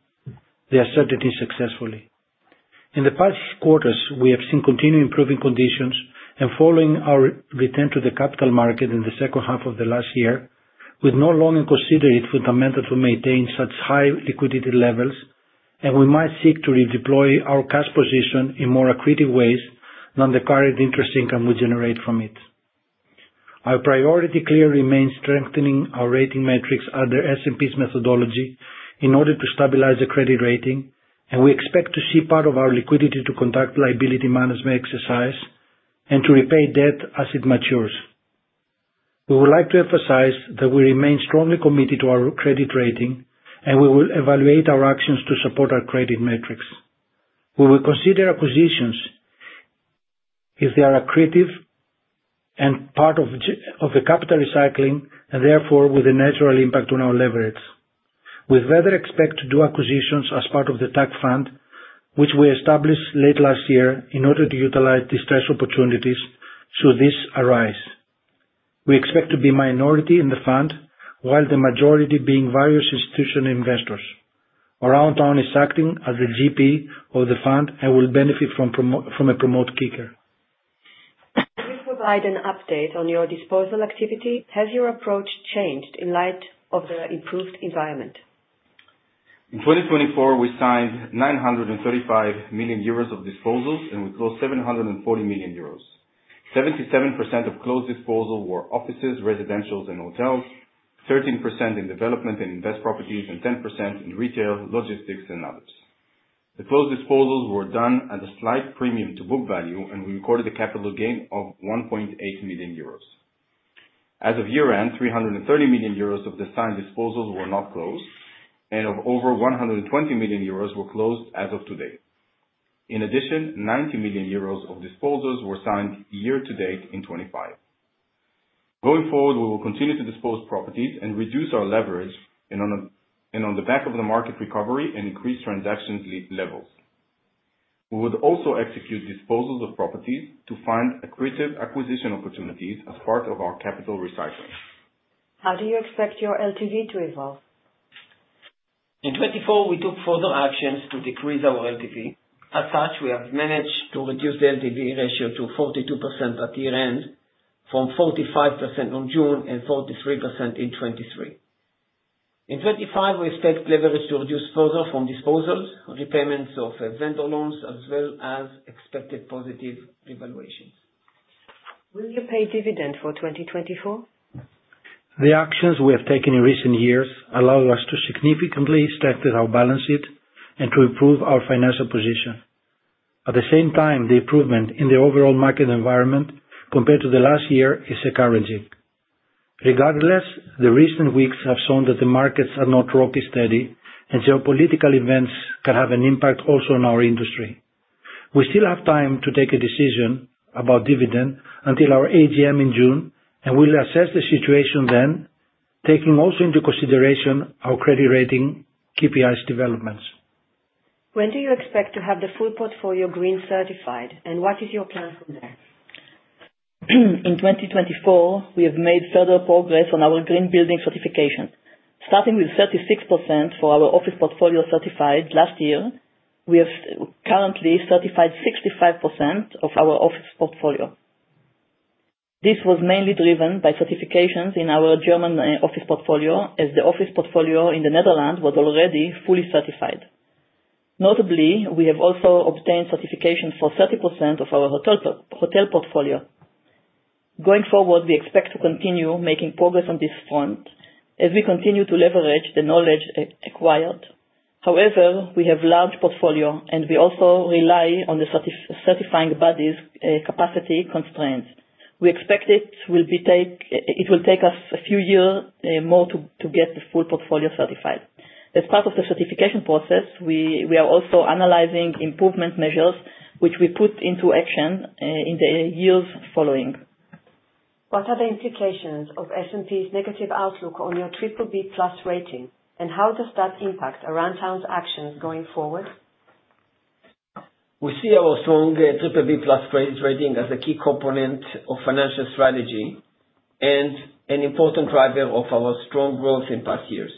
Speaker 4: the uncertainty successfully. In the past quarters, we have seen continued improving conditions and following our return to the capital market in the second half of the last year, we no longer consider it fundamental to maintain such high liquidity levels, and we might seek to redeploy our cash position in more accretive ways than the current interest income we generate from it. Our priority clear remains strengthening our rating metrics under S&P's methodology in order to stabilize the credit rating, and we expect to see part of our liquidity to conduct liability management exercise and to repay debt as it matures. We would like to emphasize that we remain strongly committed to our credit rating, and we will evaluate our actions to support our credit metrics. We will consider acquisitions if they are accretive and part of the capital recycling and therefore with a natural impact on our leverage. We further expect to do acquisitions as part of the TAC Fund, which we established late last year in order to utilize distressed opportunities should these arise. We expect to be a minority in the fund, while the majority being various institutional investors. Aroundtown is acting as the GP of the fund and will benefit from a promote kicker.
Speaker 1: Can you provide an update on your disposal activity? Has your approach changed in light of the improved environment?
Speaker 2: In 2024, we signed 935 million euros of disposals, and we closed 740 million euros. 77% of closed disposals were offices, residential properties, and hotel properties, 13% in development and investment properties, and 10% in retail, logistics, and others. The closed disposals were done at a slight premium to book value, and we recorded a capital gain of 1.8 million euros. As of year-end, 330 million euros of the signed disposals were not closed, and over 120 million euros were closed as of today. In addition, 90 million euros of disposals were signed year-to-date in 2025. Going forward, we will continue to dispose properties and reduce our leverage on the back of the market recovery and increased transaction levels. We would also execute disposals of properties to find accretive acquisition opportunities as part of our capital recycling.
Speaker 1: How do you expect your LTV to evolve?
Speaker 6: In 2024, we took further actions to decrease our LTV. As such, we have managed to reduce the LTV ratio to 42% at year-end, from 45% in June and 43% in 2023. In 2025, we expect leverage to reduce further from disposals, repayments of vendor loans, as well as expected positive revaluations.
Speaker 1: Will you pay dividend for 2024?
Speaker 4: The actions we have taken in recent years allow us to significantly strengthen our balance sheet and to improve our financial position. At the same time, the improvement in the overall market environment compared to the last year is a current gig. Regardless, the recent weeks have shown that the markets are not rocky steady, and geopolitical events can have an impact also on our industry. We still have time to take a decision about dividend until our AGM in June, and we'll assess the situation then, taking also into consideration our credit rating KPIs developments.
Speaker 1: When do you expect to have the full portfolio green certified, and what is your plan from there?
Speaker 3: In 2024, we have made further progress on our green building certification. Starting with 36% for our office portfolio certified last year, we have currently certified 65% of our office portfolio. This was mainly driven by certifications in our German office portfolio, as the office portfolio in the Netherlands was already fully certified. Notably, we have also obtained certification for 30% of our hotel portfolio. Going forward, we expect to continue making progress on this front as we continue to leverage the knowledge acquired. However, we have a large portfolio, and we also rely on the certifying body's capacity constraints. We expect it will take us a few years more to get the full portfolio certified. As part of the certification process, we are also analyzing improvement measures, which we put into action in the years following.
Speaker 1: What are the implications of S&P's negative outlook on your BBB+ rating? How does that impact Aroundtown's actions going forward?
Speaker 6: We see our strong BBB+ rating as a key component of financial strategy and an important driver of our strong growth in past years.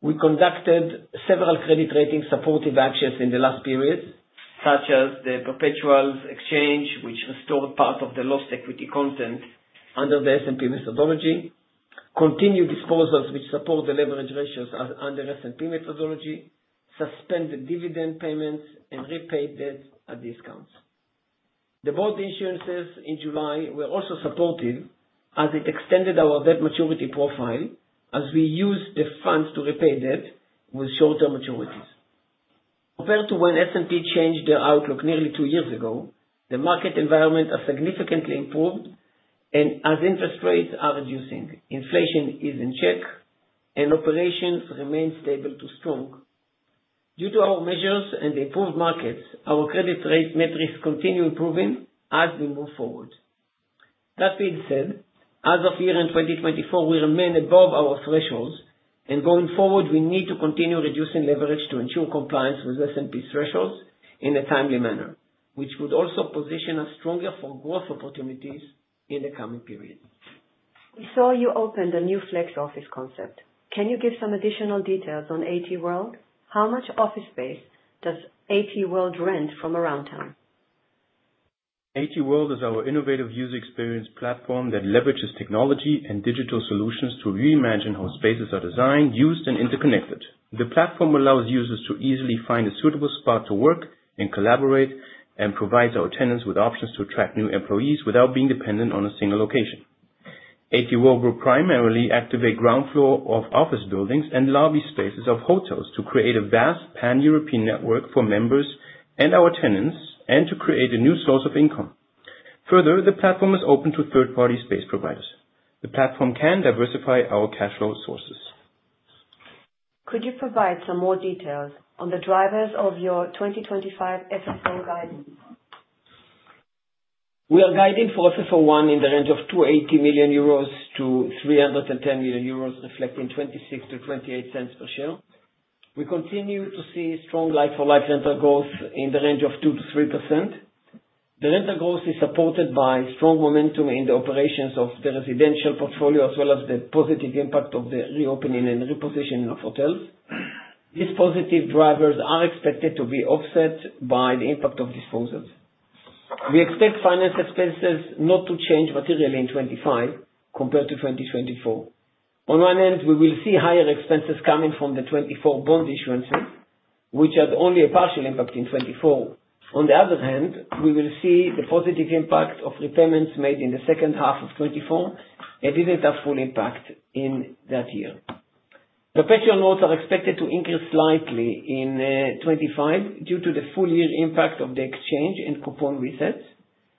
Speaker 6: We conducted several credit rating supportive actions in the last period, such as the perpetuals exchange, which restored part of the lost equity content under the S&P methodology, continued disposals which support the leverage ratios under S&P methodology, suspended dividend payments, and repaid debt at discounts. The board insurances in July were also supportive as it extended our debt maturity profile as we used the funds to repay debt with short-term maturities. Compared to when S&P changed their outlook nearly two years ago, the market environment has significantly improved, and as interest rates are reducing, inflation is in check, and operations remain stable to strong. Due to our measures and the improved markets, our credit rate metrics continue improving as we move forward. That being said, as of year-end 2024, we remain above our thresholds, and going forward, we need to continue reducing leverage to ensure compliance with S&P's thresholds in a timely manner, which would also position us stronger for growth opportunities in the coming period.
Speaker 1: We saw you opened a new flex office concept. Can you give some additional details on ATworld? How much office space does ATworld rent from Aroundtown?
Speaker 5: ATworld is our innovative user experience platform that leverages technology and digital solutions to reimagine how spaces are designed, used, and interconnected. The platform allows users to easily find a suitable spot to work and collaborate and provides our tenants with options to attract new employees without being dependent on a single location. ATworld will primarily activate ground floor of office buildings and lobby spaces of hotels to create a vast pan-European network for members and our tenants and to create a new source of income. Further, the platform is open to third-party space providers. The platform can diversify our cash flow sources.
Speaker 1: Could you provide some more details on the drivers of your 2025 FFO guidance?
Speaker 6: We are guiding for FFO1 in the range of 280 million-310 million euros, reflecting 0.26-0.28 per share. We continue to see strong like-for-like rental growth in the range of 2%-3%. The rental growth is supported by strong momentum in the operations of the residential portfolio as well as the positive impact of the reopening and repositioning of hotels. These positive drivers are expected to be offset by the impact of disposals. We expect finance expenses not to change materially in 2025 compared to 2024. On one end, we will see higher expenses coming from the 2024 bond issuances, which had only a partial impact in 2024. On the other hand, we will see the positive impact of repayments made in the second half of 2024, and it did not have full impact in that year. Perpetual notes are expected to increase slightly in 2025 due to the full-year impact of the exchange and coupon resets.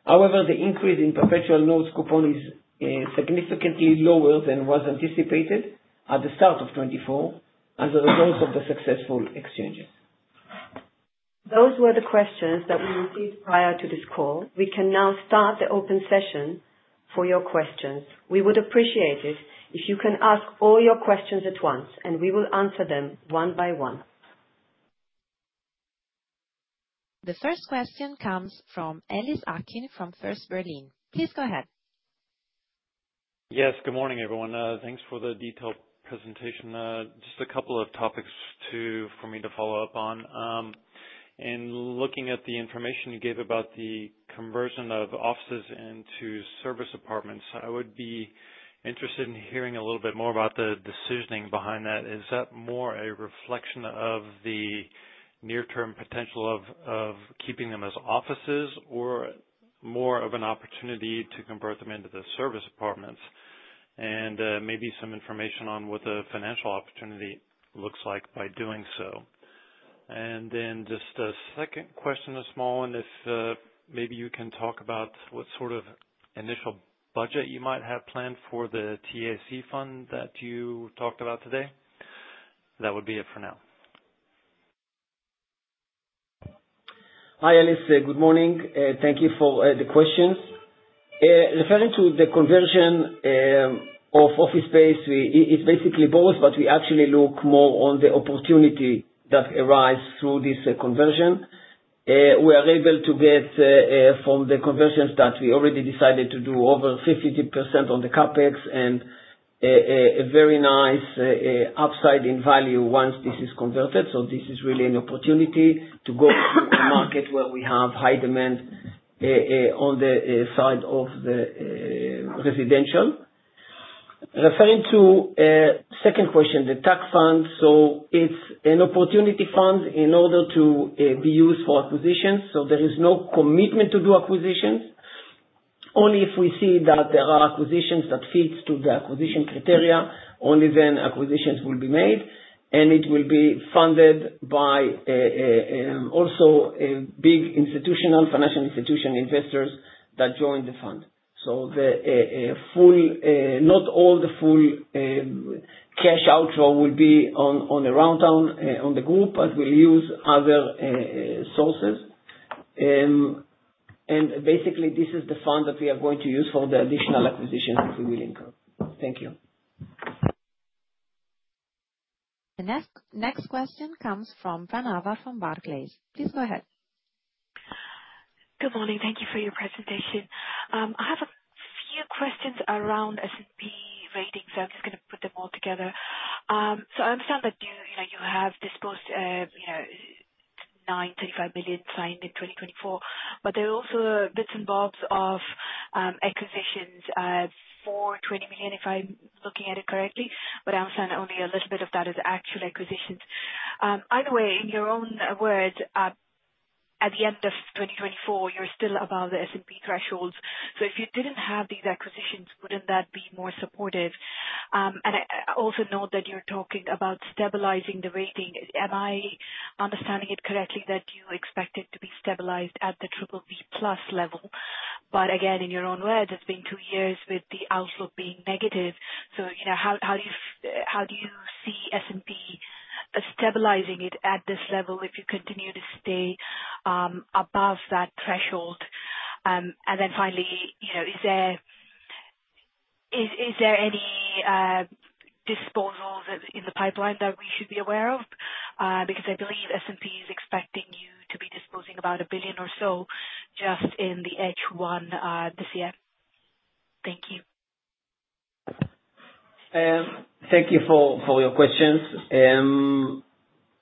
Speaker 6: However, the increase in perpetual notes coupon is significantly lower than was anticipated at the start of 2024 as a result of the successful exchanges. Those were the questions that we received prior to this call. We can now start the open session for your questions. We would appreciate it if you can ask all your questions at once, and we will answer them one by one. The first question comes from Ellis Acklin from First Berlin. Please go ahead.
Speaker 7: Yes, good morning, everyone. Thanks for the detailed presentation. Just a couple of topics for me to follow up on. In looking at the information you gave about the conversion of offices into service apartments, I would be interested in hearing a little bit more about the decisioning behind that. Is that more a reflection of the near-term potential of keeping them as offices or more of an opportunity to convert them into the service apartments? Maybe some information on what the financial opportunity looks like by doing so. A second question, a small one, if maybe you can talk about what sort of initial budget you might have planned for the TAC Fund that you talked about today. That would be it for now.
Speaker 6: Hi, Ellis. Good morning. Thank you for the questions. Referring to the conversion of office space, it's basically both, but we actually look more on the opportunity that arises through this conversion. We are able to get from the conversions that we already decided to do over 50% on the CapEx and a very nice upside in value once this is converted. This is really an opportunity to go to a market where we have high demand on the side of the residential. Referring to the second question, the TAC Fund, it is an opportunity fund in order to be used for acquisitions. There is no commitment to do acquisitions. Only if we see that there are acquisitions that fit to the acquisition criteria, only then acquisitions will be made, and it will be funded by also big institutional financial institution investors that join the fund. Not all the full cash outflow will be on Aroundtown, on the group, as we'll use other sources. Basically, this is the fund that we are going to use for the additional acquisitions that we will incur. Thank you. The next question comes from Pranava from Barclays. Please go ahead.
Speaker 8: Good morning. Thank you for your presentation. I have a few questions around S&P ratings. I'm just going to put them all together. I understand that you have disposed 925 million signed in 2024, but there are also bits and bobs of acquisitions for 20 million, if I'm looking at it correctly. I understand only a little bit of that is actual acquisitions. Either way, in your own words, at the end of 2024, you're still above the S&P thresholds. If you didn't have these acquisitions, wouldn't that be more supportive? I also note that you're talking about stabilizing the rating. Am I understanding it correctly that you expect it to be stabilized at the Triple B+ level? In your own words, it's been two years with the outlook being negative. How do you see S&P stabilizing it at this level if you continue to stay above that threshold? Finally, is there any disposals in the pipeline that we should be aware of? Because I believe S&P is expecting you to be disposing about 1 billion or so just in the first half of this year. Thank you.
Speaker 6: Thank you for your questions around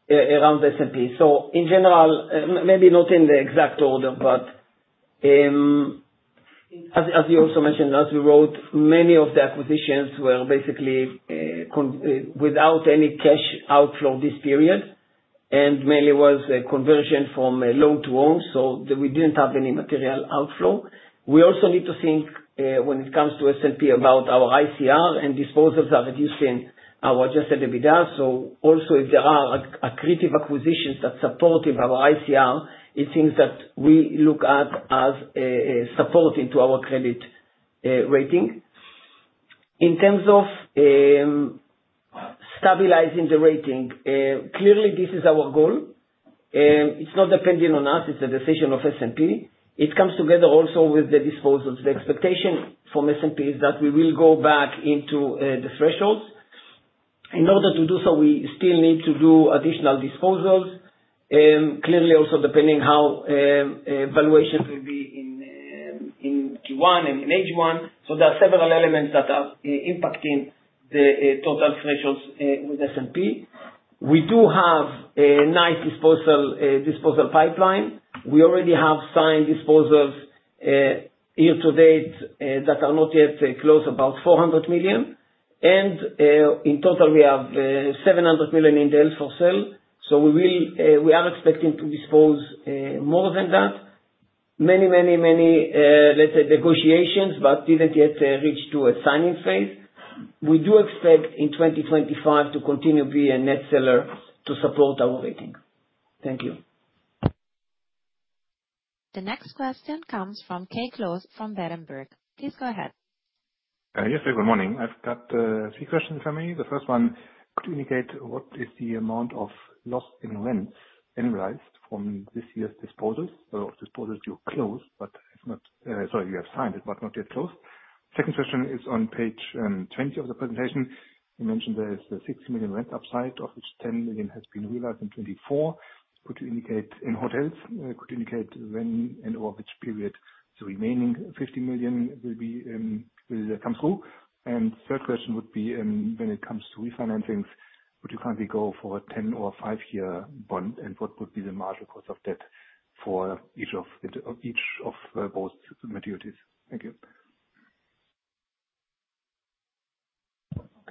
Speaker 6: S&P. In general, maybe not in the exact order, but as you also mentioned, as we wrote, many of the acquisitions were basically without any cash outflow this period, and mainly was a conversion from loan to loan, so we did not have any material outflow. We also need to think when it comes to S&P about our ICR and disposals are reducing our adjusted EBITDA. Also, if there are accretive acquisitions that support our ICR, it is things that we look at as supporting to our credit rating. In terms of stabilizing the rating, clearly, this is our goal. It is not depending on us. It is the decision of S&P. It comes together also with the disposals. The expectation from S&P is that we will go back into the thresholds. In order to do so, we still need to do additional disposals, clearly also depending on how valuations will be in Q1 and in H1. There are several elements that are impacting the total thresholds with S&P. We do have a nice disposal pipeline. We already have signed disposals year-to-date that are not yet closed, about 400 million. In total, we have 700 million in the L4 sale. We are expecting to dispose more than that. Many, many, many, let's say, negotiations, but did not yet reach to a signing phase. We do expect in 2025 to continue being a net seller to support our rating. Thank you. The next question comes from Kai Klose from Berenberg. Please go ahead.
Speaker 9: Yes, good morning. I've got three questions for me. The first one, could you indicate what is the amount of lost in rents annualized from this year's disposals? So disposals you closed, but it's not sorry, you have signed it, but not yet closed. Second question is on page 20 of the presentation. You mentioned there is a 60 million rent upside, of which 10 million has been realized in 2024. Could you indicate in hotels? Could you indicate when and over which period the remaining 50 million will come through? Third question would be when it comes to refinancings, would you currently go for a 10 or a 5-year bond, and what would be the marginal cost of debt for each of both maturities? Thank you.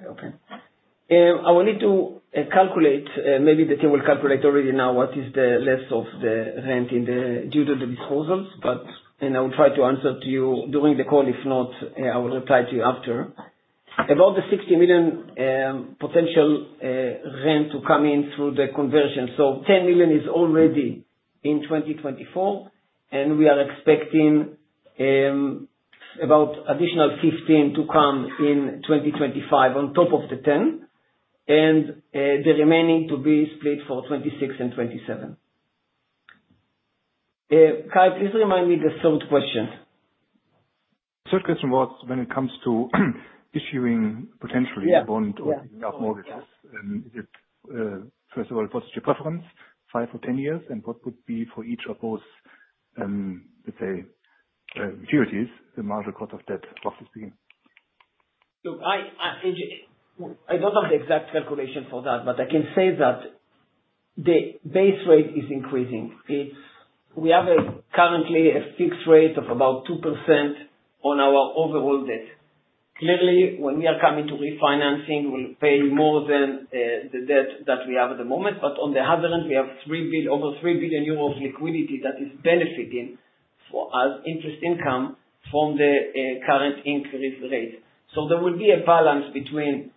Speaker 6: Okay. I will need to calculate. Maybe the team will calculate already now what is the loss of the rent due to the disposals. I will try to answer to you during the call. If not, I will reply to you after. About the 60 million potential rent to come in through the conversion. Ten million is already in 2024, and we are expecting about additional 15 to come in 2025 on top of the 10, and the remaining to be split for 2026 and 2027. Kai, please remind me the third question.
Speaker 9: The third question was when it comes to issuing potentially a bond or taking out mortgages. Is it, first of all, what is your preference, five or ten years, and what would be for each of those, let's say, maturities, the marginal cost of debt roughly speaking?
Speaker 6: Look, I don't have the exact calculation for that, but I can say that the base rate is increasing. We have currently a fixed rate of about 2% on our overall debt. Clearly, when we are coming to refinancing, we'll pay more than the debt that we have at the moment. On the other hand, we have over 3 billion euros of liquidity that is benefiting for us interest income from the current increased rate. There will be a balance between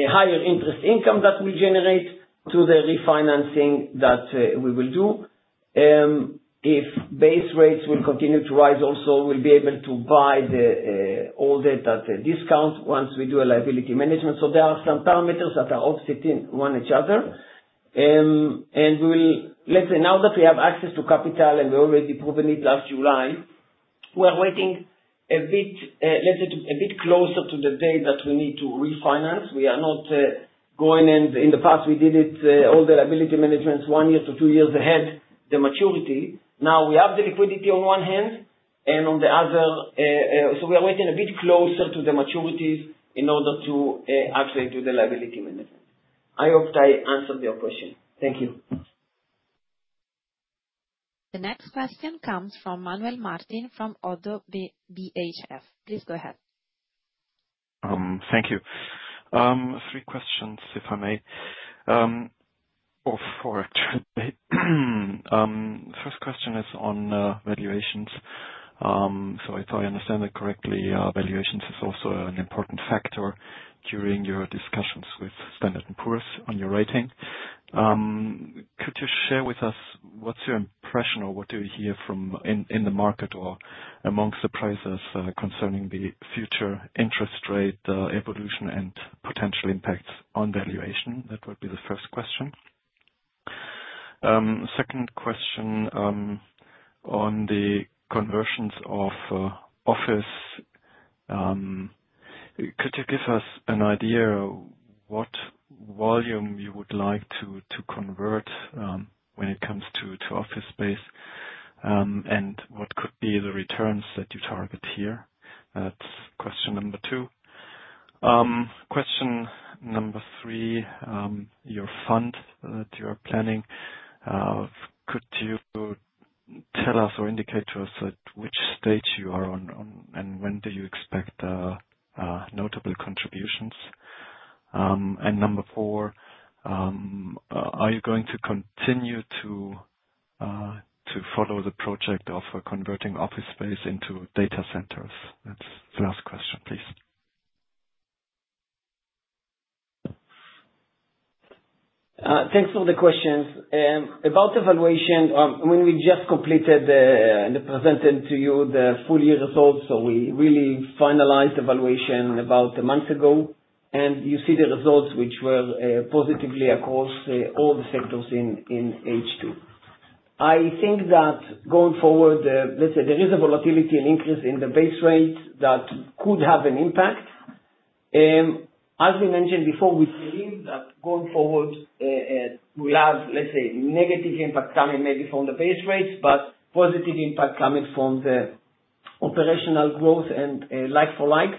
Speaker 6: higher interest income that we generate to the refinancing that we will do. If base rates will continue to rise, also we'll be able to buy all that at a discount once we do a liability management. There are some parameters that are offsetting one each other. Let's say now that we have access to capital and we already proven it last July, we are waiting a bit closer to the day that we need to refinance. We are not going in. In the past, we did all the liability managements one year to two years ahead the maturity. Now we have the liquidity on one hand and on the other. We are waiting a bit closer to the maturities in order to actually do the liability management. I hope I answered your question. Thank you. The next question comes from Manuel Martin from Oddo BHF. Please go ahead.
Speaker 10: Thank you. Three questions, if I may. First question is on valuations. If I understand it correctly, valuations is also an important factor during your discussions with Standard & Poor's on your rating. Could you share with us what's your impression or what do you hear from in the market or amongst the prices concerning the future interest rate evolution and potential impacts on valuation? That would be the first question. Second question on the conversions of office. Could you give us an idea of what volume you would like to convert when it comes to office space, and what could be the returns that you target here? That's question number two. Question number three, your fund that you are planning. Could you tell us or indicate to us at which stage you are on and when do you expect notable contributions? Number four, are you going to continue to follow the project of converting office space into data centers? That's the last question, please.
Speaker 6: Thanks for the questions. About evaluation, when we just completed and presented to you the full year results, so we really finalized evaluation about a month ago, and you see the results, which were positively across all the sectors in H2. I think that going forward, let's say there is a volatility and increase in the base rate that could have an impact. As we mentioned before, we believe that going forward, we'll have, let's say, negative impact coming maybe from the base rates, but positive impact coming from the operational growth and like-for-like.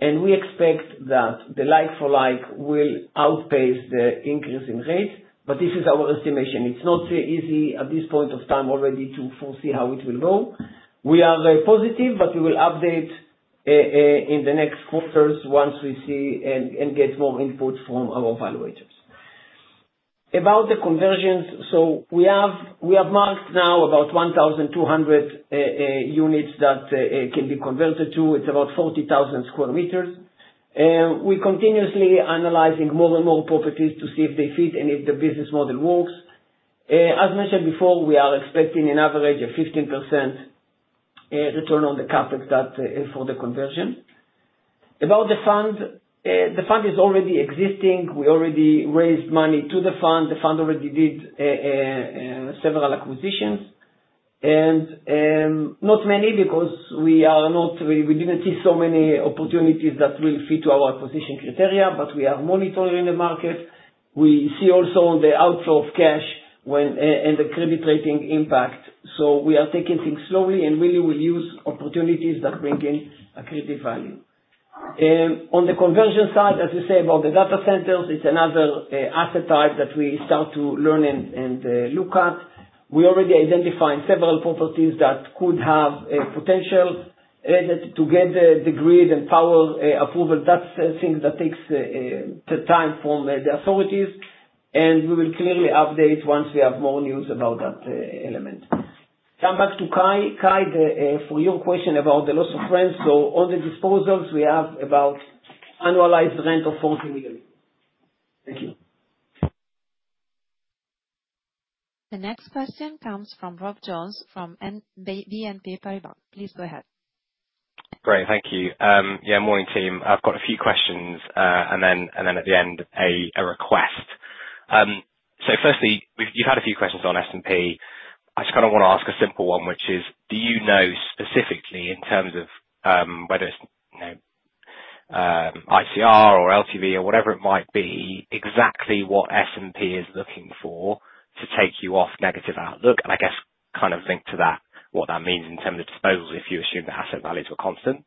Speaker 6: We expect that the like-for-like will outpace the increase in rate, but this is our estimation. It's not so easy at this point of time already to foresee how it will go. We are positive, but we will update in the next quarters once we see and get more input from our evaluators. About the conversions, we have marked now about 1,200 units that can be converted to. It is about 40,000 sq m. We are continuously analyzing more and more properties to see if they fit and if the business model works. As mentioned before, we are expecting an average of 15% return on the CapEx for the conversion. About the fund, the fund is already existing. We already raised money to the fund. The fund already did several acquisitions. Not many because we did not see so many opportunities that will fit our acquisition criteria, but we are monitoring the market. We see also the outflow of cash and the credit rating impact. We are taking things slowly and really will use opportunities that bring in accretive value. On the conversion side, as you say, about the data centers, it is another asset type that we start to learn and look at. We already identified several properties that could have potential to get the grid and power approval. That is something that takes time from the authorities, and we will clearly update once we have more news about that element. Come back to Kai. Kai, for your question about the loss of rent, on the disposals, we have about annualized rent of 40 million.
Speaker 10: Thank you. The next question comes from Rob Jones from BNP Paribas. Please go ahead.
Speaker 11: Great. Thank you. Yeah, morning, team. I've got a few questions, and then at the end, a request. Firstly, you've had a few questions on S&P. I just kind of want to ask a simple one, which is, do you know specifically in terms of whether it's ICR or LTV or whatever it might be, exactly what S&P is looking for to take you off negative outlook? I guess kind of link to that what that means in terms of disposals if you assume that asset values were constant.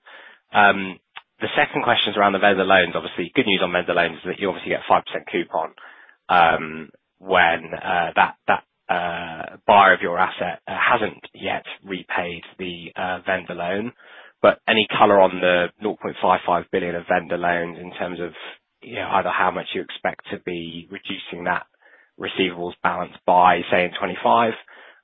Speaker 11: The second question is around the vendor loans. Obviously, good news on vendor loans is that you obviously get a 5% coupon when that buyer of your asset hasn't yet repaid the vendor loan. Any color on the 550 million of vendor loans in terms of either how much you expect to be reducing that receivables balance by, say, in 2025?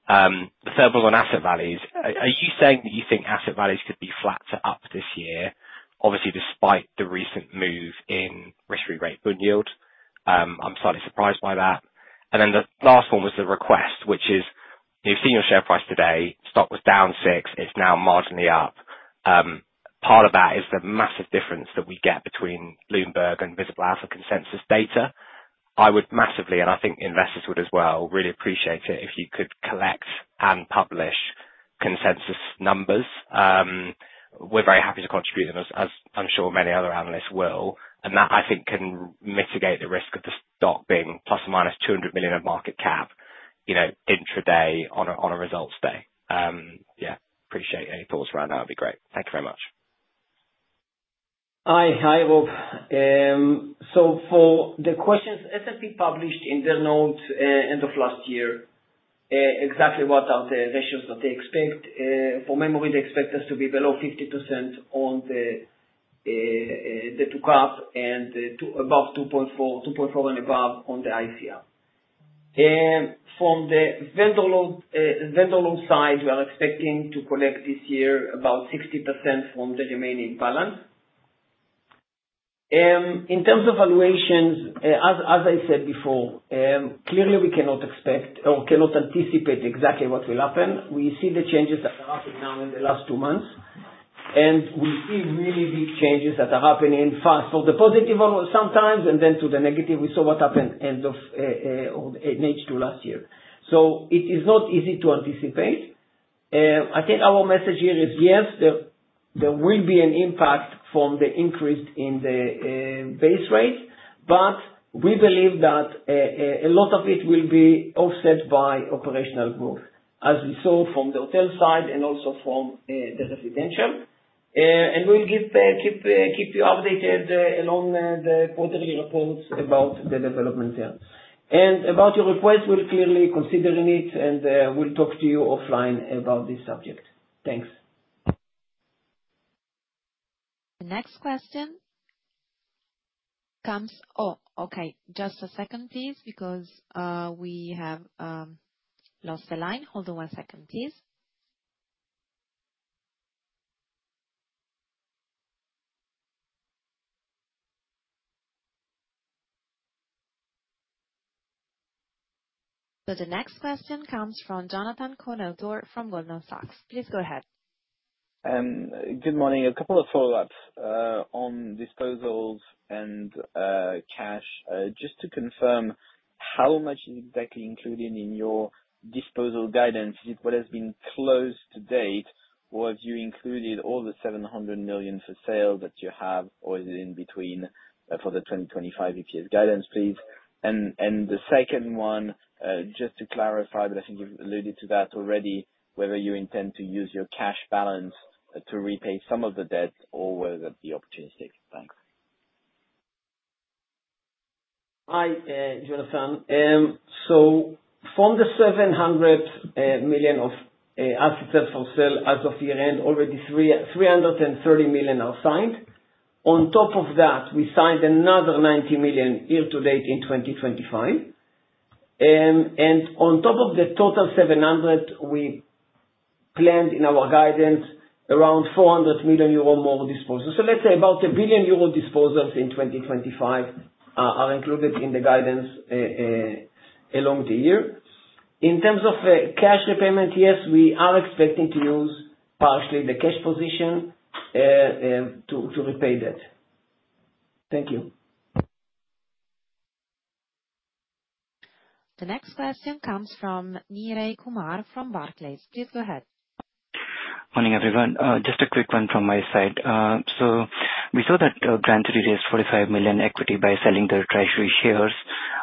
Speaker 11: The third one was on asset values. Are you saying that you think asset values could be flat to up this year, obviously despite the recent move in risk-free rate bund yield? I am slightly surprised by that. The last one was the request, which is you have seen your share price today. Stock was down 6. It is now marginally up. Part of that is the massive difference that we get between Bloomberg and Visible Alpha consensus data. I would massively, and I think investors would as well, really appreciate it if you could collect and publish consensus numbers. We are very happy to contribute them, as I am sure many other analysts will. I think that can mitigate the risk of the stock being ±200 million of market cap intraday on a results day. Yeah, appreciate any thoughts around that. That would be great. Thank you very much.
Speaker 6: Hi, hi, Rob. For the questions, S&P published in their notes at the end of last year exactly what are the ratios that they expect. From memory, they expect us to be below 50% on the total cap and above 2.4 and above on the ICR. From the vendor loan side, we are expecting to collect this year about 60% from the remaining balance. In terms of valuations, as I said before, clearly, we cannot expect or cannot anticipate exactly what will happen. We see the changes that are happening now in the last two months, and we see really big changes that are happening fast from the positive sometimes and then to the negative. We saw what happened in H2 last year. It is not easy to anticipate. I think our message here is, yes, there will be an impact from the increase in the base rate, but we believe that a lot of it will be offset by operational growth, as we saw from the hotel side and also from the residential. We will keep you updated along the quarterly reports about the development there. About your request, we will clearly consider it, and we will talk to you offline about this subject. Thanks. The next question comes—oh, okay. Just a second, please, because we have lost the line. Hold on one second, please. The next question comes from Jonathan Kownator from Goldman Sachs. Please go ahead.
Speaker 12: Good morning. A couple of follow-ups on disposals and cash. Just to confirm, how much is exactly included in your disposal guidance? Is it what has been closed to date, or have you included all the 700 million for sale that you have, or is it in between for the 2025 EPS guidance, please? The second one, just to clarify, but I think you've alluded to that already, whether you intend to use your cash balance to repay some of the debt or whether that's the opportunistic. Thanks.
Speaker 6: Hi, Jonathan. From the 700 million of assets for sale as of year-end, already 330 million are signed. On top of that, we signed another 90 million year-to-date in 2025. On top of the total 700 million, we planned in our guidance around 400 million euro more disposals. Let's say about 1 billion euro disposals in 2025 are included in the guidance along the year. In terms of cash repayment, yes, we are expecting to use partially the cash position to repay that. Thank you. The next question comes from Neeraj Kumar from Barclays. Please go ahead.
Speaker 13: Morning, everyone. Just a quick one from my side. We saw that Grand City raised 45 million equity by selling their treasury shares.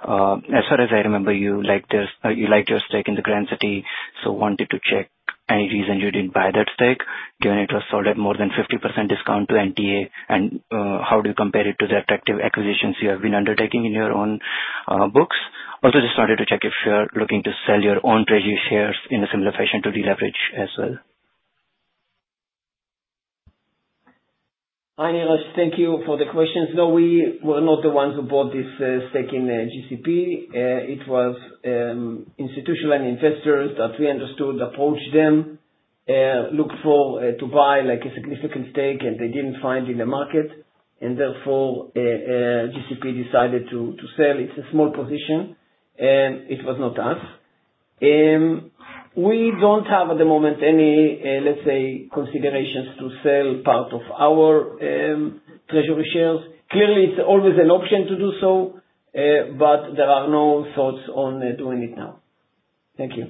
Speaker 13: As far as I remember, you liked your stake in Grand City, so wanted to check any reason you did not buy that stake, given it was sold at more than 50% discount to NTA, and how do you compare it to the attractive acquisitions you have been undertaking in your own books? Also, just wanted to check if you are looking to sell your own treasury shares in a similar fashion to deleverage as well.
Speaker 6: Hi, Neeraj. Thank you for the questions. No, we were not the ones who bought this stake in GCP. It was institutional investors that we understood, approached them, looked for to buy a significant stake, and they did not find in the market. Therefore, GCP decided to sell. It is a small position, and it was not us. We do not have at the moment any, let's say, considerations to sell part of our treasury shares. Clearly, it is always an option to do so, but there are no thoughts on doing it now. Thank you.